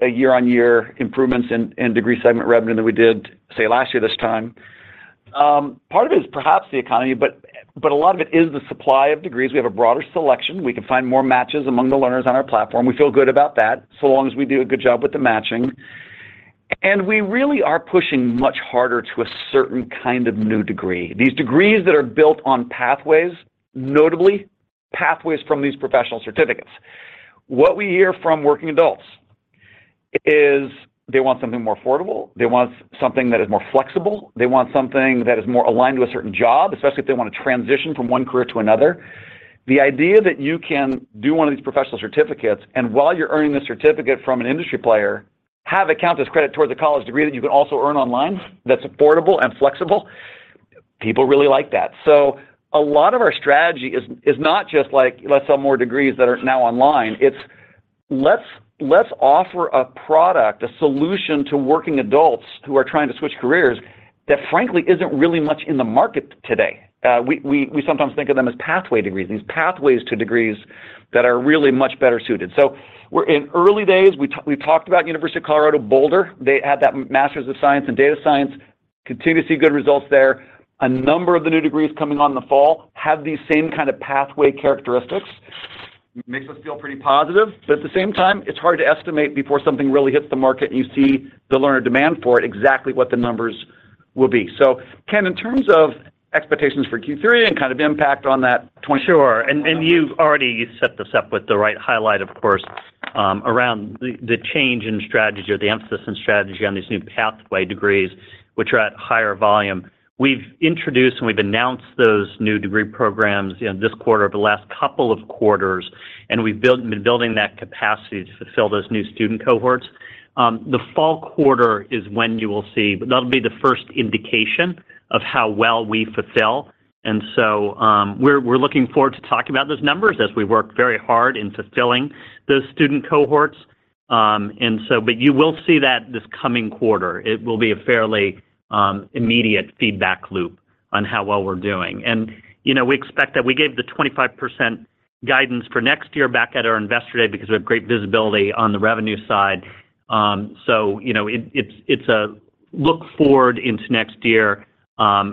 year-on-year improvements in, in degree segment revenue than we did, say, last year this time? Part of it is perhaps the economy, but, but a lot of it is the supply of degrees. We have a broader selection. We can find more matches among the learners on our platform. We feel good about that, so long as we do a good job with the matching. We really are pushing much harder to a certain kind of new degree. These degrees that are built on pathways, notably pathways from these professional certificates. What we hear from working adults is they want something more affordable, they want something that is more flexible, they want something that is more aligned to a certain job, especially if they want to transition from one career to another. The idea that you can do one of these professional certificates, and while you're earning the certificate from an industry player, have it count as credit towards a college degree that you can also earn online, that's affordable and flexible, people really like that. A lot of our strategy is, is not just like, let's sell more degrees that are now online. It's let's, let's offer a product, a solution to working adults who are trying to switch careers that frankly isn't really much in the market today. We, we, we sometimes think of them as pathway degrees, these pathways to degrees that are really much better suited. We're in early days. We talked about University of Colorado Boulder. They had that Master of Science in Data Science, continue to see good results there. A number of the new degrees coming on in the fall have these same kind of pathway characteristics. Makes us feel pretty positive, but at the same time, it's hard to estimate before something really hits the market and you see the learner demand for it, exactly what the numbers will be. Ken, in terms of expectations for Q3 and kind of impact on that 20- Sure. You've already set this up with the right highlight, of course, around the, the change in strategy or the emphasis in strategy on these new pathway degrees, which are at higher volume. We've introduced and we've announced those new degree programs, you know, this quarter, the last couple of quarters, and we've been building that capacity to fulfill those new student cohorts. The fall quarter is when you will see... That'll be the first indication of how well we fulfill, we're looking forward to talking about those numbers as we work very hard in fulfilling those student cohorts. You will see that this coming quarter. It will be a fairly immediate feedback loop on how well we're doing. you know, we expect that we gave the 25% guidance for next year back at our Investor Day because we have great visibility on the revenue side. So, you know, it, it's, it's a look forward into next year,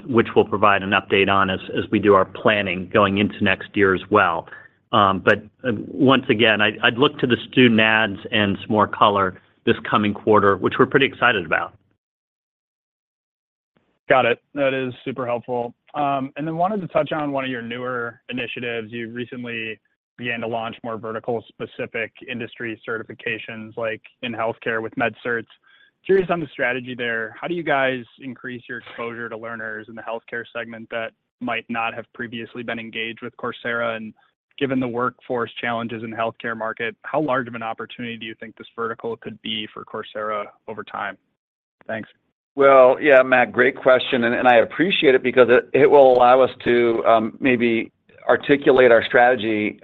which we'll provide an update on as, as we do our planning going into next year as well. But, once again, I'd, I'd look to the student adds and some more color this coming quarter, which we're pretty excited about. Got it. That is super helpful. Wanted to touch on one of your newer initiatives. You recently began to launch more vertical-specific industry certifications, like in healthcare with MedCerts. Curious on the strategy there. How do you guys increase your exposure to learners in the healthcare segment that might not have previously been engaged with Coursera? Given the workforce challenges in the healthcare market, how large of an opportunity do you think this vertical could be for Coursera over time? Thanks. Well, yeah, Matt, great question, and I appreciate it because it will allow us to maybe articulate our strategy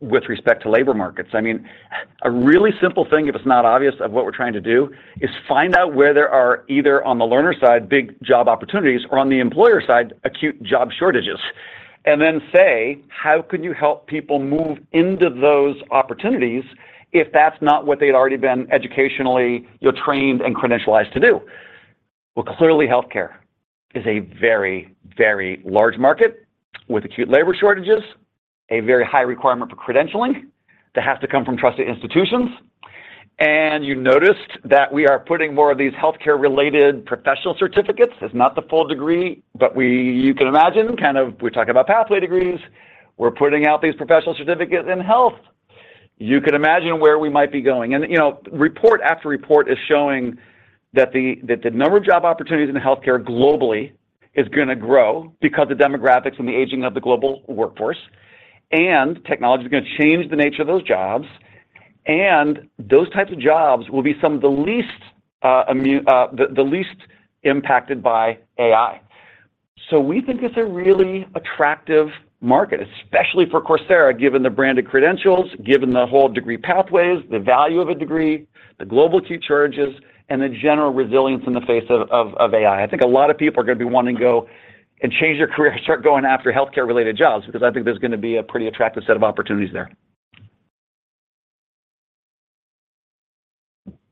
with respect to labor markets. I mean, a really simple thing, if it's not obvious, of what we're trying to do, is find out where there are, either on the learner side, big job opportunities, or on the employer side, acute job shortages. Then say, how can you help people move into those opportunities if that's not what they'd already been educationally, you know, trained and credentialized to do? Well, clearly, healthcare is a very, very large market with acute labor shortages, a very high requirement for credentialing that has to come from trusted institutions. You noticed that we are putting more of these healthcare-related professional certificates. It's not the full degree, but you can imagine kind of, we talk about pathway degrees. We're putting out these professional certificates in health. You can imagine where we might be going. You know, report after report is showing that the number of job opportunities in healthcare globally is gonna grow because the demographics and the aging of the global workforce, and technology is gonna change the nature of those jobs, and those types of jobs will be some of the least impacted by AI. We think it's a really attractive market, especially for Coursera, given the branded credentials, given the whole degree pathways, the value of a degree, the global acute shortage, and the general resilience in the face of AI. I think a lot of people are gonna be wanting to go and change their career, start going after healthcare-related jobs, because I think there's gonna be a pretty attractive set of opportunities there.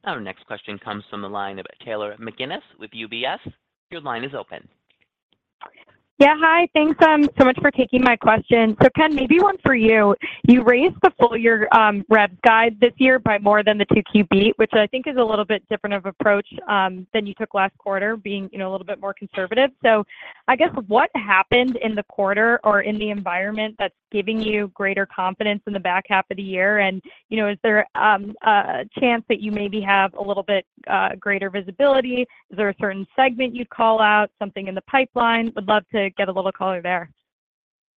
Our next question comes from the line of Taylor McGinnis with UBS. Your line is open. Yeah, hi. Thanks, so much for taking my question. Ken, maybe one for you. You raised the full year, rev guide this year by more than the 2Q beat, which I think is a little bit different of approach, than you took last quarter, being, you know, a little bit more conservative. I guess, what happened in the quarter or in the environment that's giving you greater confidence in the back half of the year? You know, is there a chance that you maybe have a little bit greater visibility? Is there a certain segment you'd call out, something in the pipeline? Would love to get a little color there.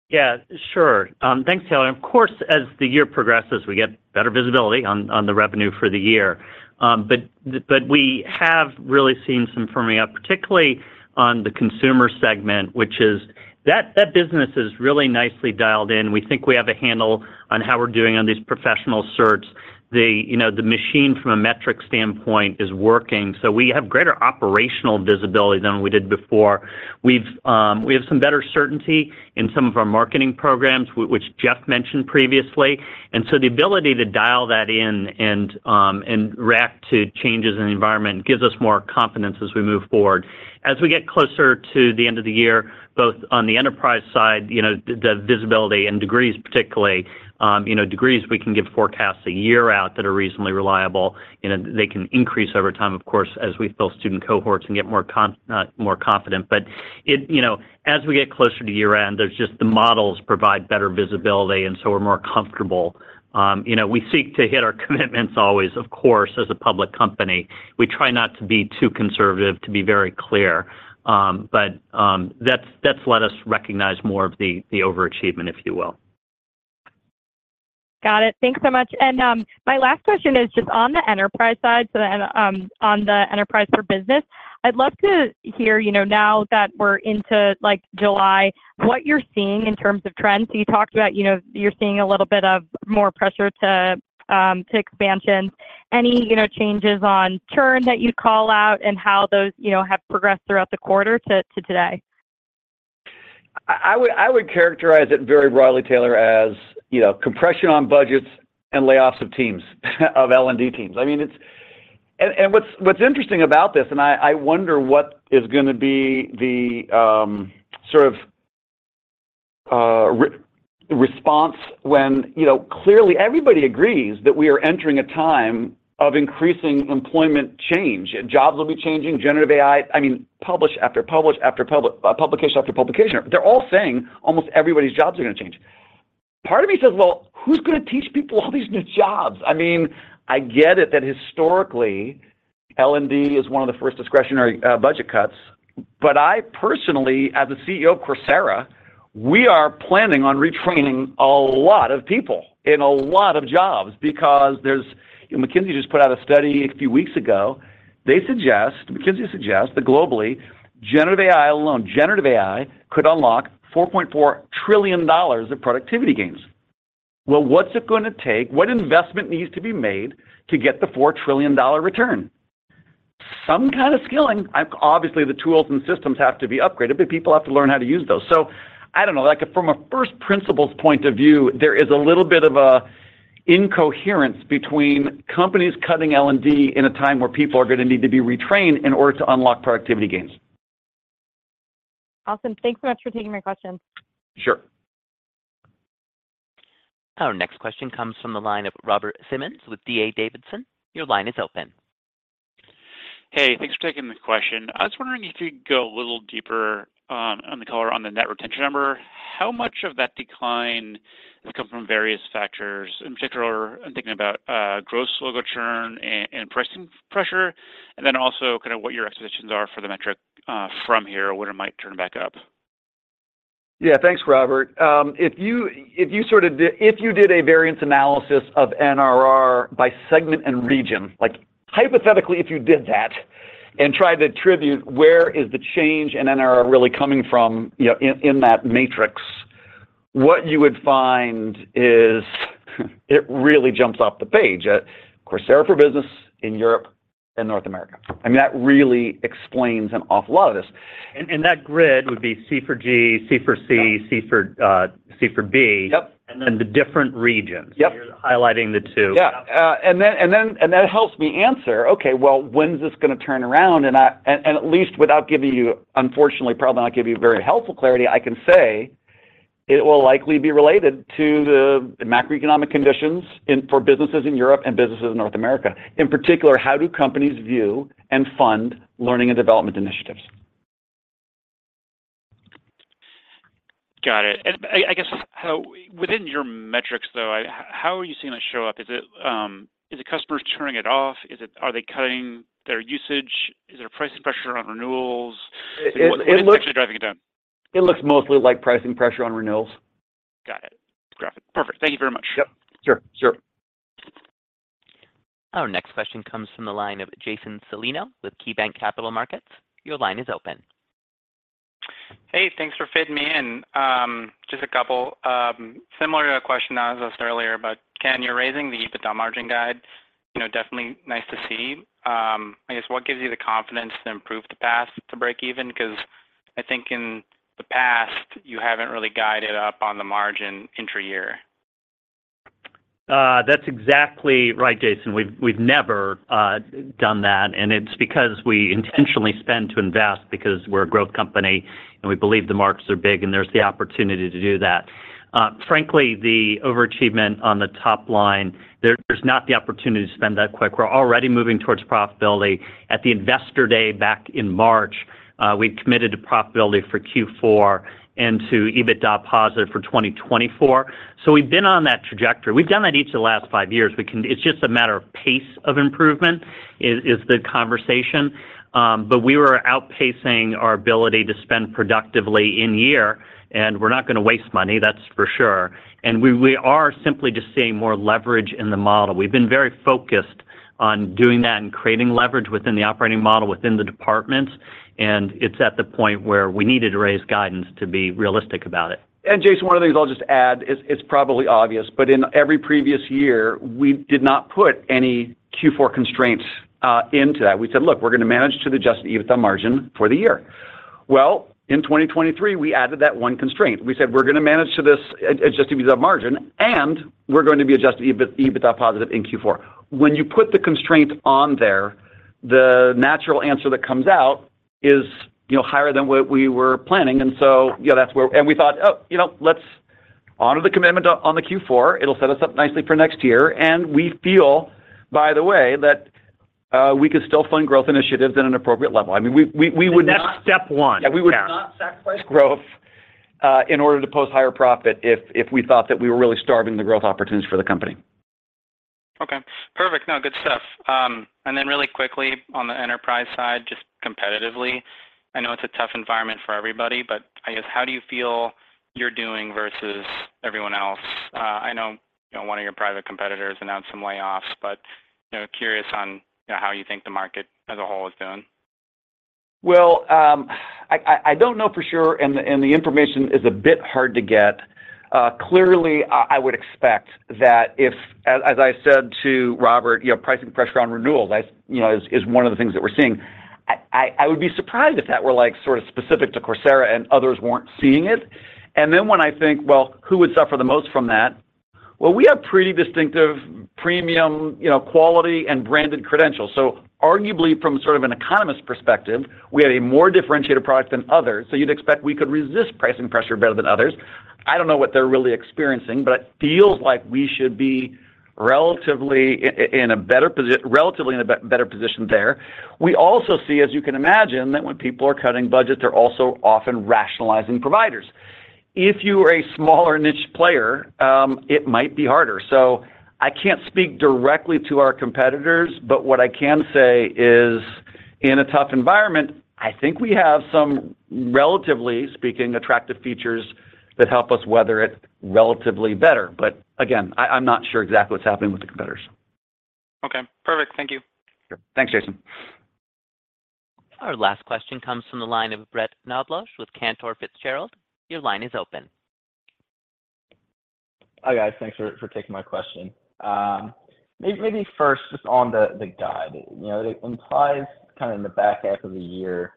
Yeah, sure. Thanks, Taylor. Of course, as the year progresses, we get better visibility on, on the revenue for the year. But we have really seen some firming up, particularly on the consumer segment, which is. That, that business is really nicely dialed in. We think we have a handle on how we're doing on these professional certs. The, you know, the machine from a metric standpoint is working, so we have greater operational visibility than we did before. We've, e have some better certainty in some of our marketing programs, which Jeff mentioned previously. So the ability to dial that in and, and react to changes in the environment gives us more confidence as we move forward. As we get closer to the end of the year, both on the enterprise side, you know, the, the visibility and degrees particularly, you know, degrees, we can give forecasts 1 year out that are reasonably reliable, and then they can increase over time, of course, as we build student cohorts and get more confident. It, you know, as we get closer to year-end, there's just the models provide better visibility, and so we're more comfortable. You know, we seek to hit our commitments always, of course, as a public company. We try not to be too conservative, to be very clear. That's, that's let us recognize more of the, the overachievement, if you will. Got it. Thanks so much. My last question is just on the enterprise side, so the en- on the enterprise for business, I'd love to hear, you know, now that we're into, like, July, what you're seeing in terms of trends. You talked about, you know, you're seeing a little bit of more pressure to, to expansion. Any, you know, changes on churn that you'd call out and how those, you know, have progressed throughout the quarter to, to today? I, I would, I would characterize it very broadly, Taylor, as, you know, compression on budgets and layoffs of teams, of L&D teams. I mean, it's... What's, what's interesting about this, and I, I wonder what is gonna be the sort of response when, you know, clearly everybody agrees that we are entering a time of increasing employment change. Jobs will be changing, generative AI... I mean, publish after publish after publication after publication, they're all saying almost everybody's jobs are gonna change. Part of me says, "Well, who's gonna teach people all these new jobs?" I mean, I get it that historically, L&D is one of the first discretionary budget cuts, but I personally, as the CEO of Coursera, we are planning on retraining a lot of people in a lot of jobs because McKinsey just put out a study a few weeks ago. They suggest, McKinsey suggests that globally, generative AI alone, generative AI, could unlock $4.4 trillion of productivity gains. Well, what's it gonna take? What investment needs to be made to get the $4 trillion return? some kind of skilling. Obviously, the tools and systems have to be upgraded, but people have to learn how to use those. I don't know, like, from a first principles point of view, there is a little bit of a incoherence between companies cutting L&D in a time where people are gonna need to be retrained in order to unlock productivity gains. Awesome. Thanks so much for taking my question. Sure. Our next question comes from the line of Robert Simmons with D.A. Davidson. Your line is open. Hey, thanks for taking the question. I was wondering if you could go a little deeper on the net retention number. How much of that decline has come from various factors? In particular, I'm thinking about gross logo churn and pricing pressure, and then also kind of what your expectations are for the metric from here, when it might turn back up. Yeah, thanks, Robert. If you, if you sort of if you did a variance analysis of NRR by segment and region, like, hypothetically, if you did that and tried to attribute where is the change in NRR really coming from, you know, in, in that matrix, what you would find is it really jumps off the page. Coursera for Business in Europe and North America. I mean, that really explains an awful lot of this. That grid would be C for G, C for C- Yeah... C for C for B- Yep and then the different regions. Yep. You're highlighting the two. Yeah. Then, and then, and that helps me answer, okay, well, when's this gonna turn around? At least without giving you... unfortunately, probably not giving you very helpful clarity, I can say it will likely be related to the macroeconomic conditions for businesses in Europe and businesses in North America. In particular, how do companies view and fund learning and development initiatives? Got it. I guess, within your metrics though, how are you seeing that show up? Is it, is it customers turning it off? Are they cutting their usage? Is there pricing pressure on renewals? It looks- What's actually driving it down? It looks mostly like pricing pressure on renewals. Got it. Got it. Perfect. Thank you very much. Yep. Sure, sure. Our next question comes from the line of Jason Celino with KeyBanc Capital Markets. Your line is open. Hey, thanks for fitting me in. Just a couple. Similar to a question that was asked earlier. Ken, you're raising the EBITDA margin guide, you know, definitely nice to see. I guess, what gives you the confidence to improve the path to breakeven? 'Cause I think in the past, you haven't really guided up on the margin intra-year. That's exactly right, Jason. We've, we've never done that, it's because we intentionally spend to invest because we're a growth company, we believe the markets are big, there's the opportunity to do that. Frankly, the overachievement on the top line, there's, there's not the opportunity to spend that quick. We're already moving towards profitability. At the Investor Day back in March, we'd committed to profitability for Q4 and to EBITDA positive for 2024. We've been on that trajectory. We've done that each of the last 5 years. It's just a matter of pace of improvement is, is the conversation. We were outpacing our ability to spend productively in year, we're not gonna waste money, that's for sure, we, we are simply just seeing more leverage in the model. We've been very focused on doing that and creating leverage within the operating model, within the departments, and it's at the point where we needed to raise guidance to be realistic about it. Jason, one of the things I'll just add is, it's probably obvious, but in every previous year, we did not put any Q4 constraints into that. We said, "Look, we're gonna manage to Adjusted EBITDA margin for the year." Well, in 2023, we added that one constraint. We said: We're gonna manage to this Adjusted EBITDA margin, and we're going to be Adjusted EBITDA positive in Q4. When you put the constraints on there, the natural answer that comes out is, you know, higher than what we were planning. You know, that's where... We thought, "Oh, you know, let's honor the commitment on the Q4. It'll set us up nicely for next year." We feel, by the way, that we could still fund growth initiatives at an appropriate level. I mean, we would not- That's step 1. Yeah, we would not- Sacrifice... growth, in order to post higher profit if, if we thought that we were really starving the growth opportunities for the company. Okay. Perfect. No, good stuff. Really quickly on the enterprise side, just competitively, I know it's a tough environment for everybody, but I guess, how do you feel you're doing versus everyone else? I know, you know, one of your private competitors announced some layoffs, but, you know, curious on, you know, how you think the market as a whole is doing. Well, I don't know for sure, and the, and the information is a bit hard to get. Clearly, I would expect that as, as I said to Robert, you know, pricing pressure on renewals, that's, you know, is, is one of the things that we're seeing. I would be surprised if that were, like, sort of specific to Coursera and others weren't seeing it. Then when I think, well, who would suffer the most from that? Well, we have pretty distinctive premium, you know, quality and branded credentials. So arguably, from sort of an economist perspective, we have a more differentiated product than others, so you'd expect we could resist pricing pressure better than others. I don't know what they're really experiencing, but it feels like we should be relatively in a better position there. We also see, as you can imagine, that when people are cutting budgets, they're also often rationalizing providers. If you are a smaller niche player, it might be harder. I can't speak directly to our competitors, but what I can say is, in a tough environment, I think we have some, relatively speaking, attractive features that help us weather it relatively better. Again, I, I'm not sure exactly what's happening with the competitors. Okay. Perfect. Thank you. Sure. Thanks, Jason. Our last question comes from the line of Brett Knoblauch with Cantor Fitzgerald. Your line is open. Hi, guys. Thanks for taking my question. Maybe first, just on the guide, you know, it implies kind of in the back half of the year,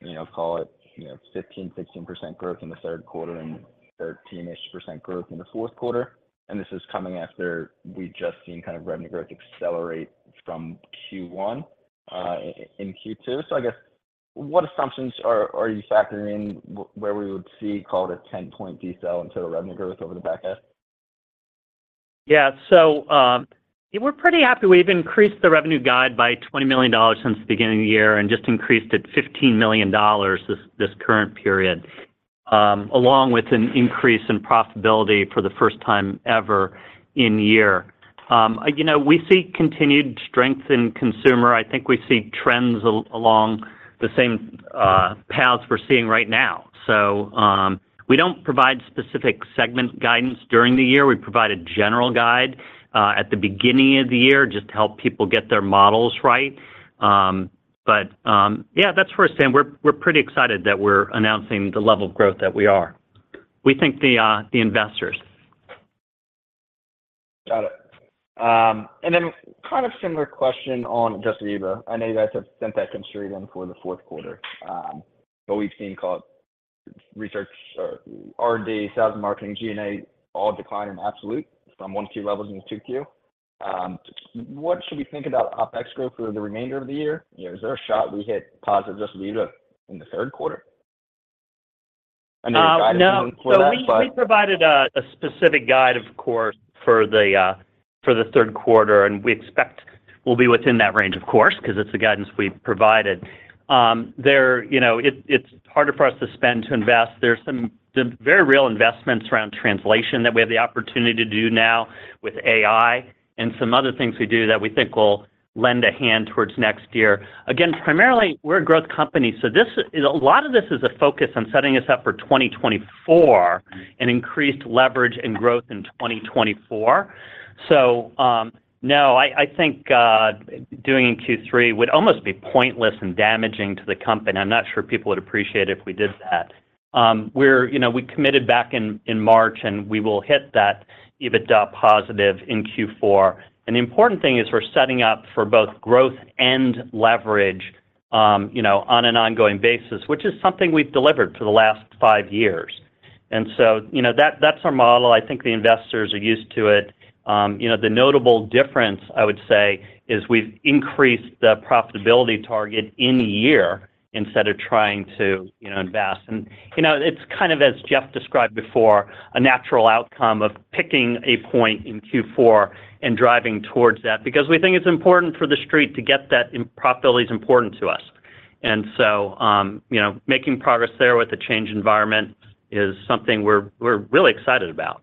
you know, call it, you know, 15%-16% growth in the third quarter and 13-ish% growth in the fourth quarter. This is coming after we've just seen kind of revenue growth accelerate from Q1 in Q2. I guess, what assumptions are you factoring in where we would see, call it, a 10-point decel in total revenue growth over the back half? Yeah. We're pretty happy. We've increased the revenue guide by $20 million since the beginning of the year, and just increased it $15 million this, this current period, along with an increase in profitability for the first time ever in year. You know, we see continued strength in consumer. I think we see trends along the same paths we're seeing right now. We don't provide specific segment guidance during the year. We provide a general guide at the beginning of the year, just to help people get their models right. Yeah, that's firsthand. We're pretty excited that we're announcing the level of growth that we are. We thank the investors. Got it. Kind of similar question on Adjusted EBITDA. I know you guys have sent that to the street on for the fourth quarter. But we've seen, call it, research or R&D, sales and marketing, G&A, all decline in absolute from 1Q levels into 2Q. What should we think about OpEx growth for the remainder of the year? You know, is there a shot we hit positive Adjusted EBITDA in the third quarter? I know you guided. Um, no- for that, but. We, we provided a, a specific guide, of course, for the for the third quarter, and we expect we'll be within that range, of course, 'cause it's the guidance we've provided. There, you know, it, it's harder for us to spend, to invest. There's some very real investments around translation that we have the opportunity to do now with AI and some other things we do that we think will lend a hand towards next year. Again, primarily, we're a growth company, so this is. A lot of this is a focus on setting us up for 2024, and increased leverage and growth in 2024. No, I, I think, doing in Q3 would almost be pointless and damaging to the company. I'm not sure people would appreciate it if we did that. We're, you know, we committed back in, in March. We will hit that EBITDA positive in Q4. The important thing is we're setting up for both growth and leverage, you know, on an ongoing basis, which is something we've delivered for the last five years. You know, that, that's our model. I think the investors are used to it. You know, the notable difference, I would say, is we've increased the profitability target in the year instead of trying to, you know, invest. You know, it's kind of, as Jeff described before, a natural outcome of picking a point in Q4 and driving towards that, because we think it's important for the street to get that, and profitability is important to us. You know, making progress there with the change environment is something we're, we're really excited about.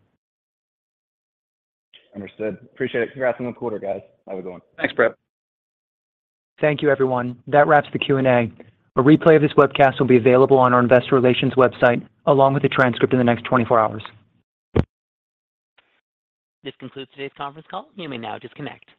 Understood. Appreciate it. Congrats on the quarter, guys. Have a good one. Thanks, Brett. Thank you, everyone. That wraps the Q&A. A replay of this webcast will be available on our investor relations website, along with the transcript, in the next 24 hours. This concludes today's conference call. You may now disconnect.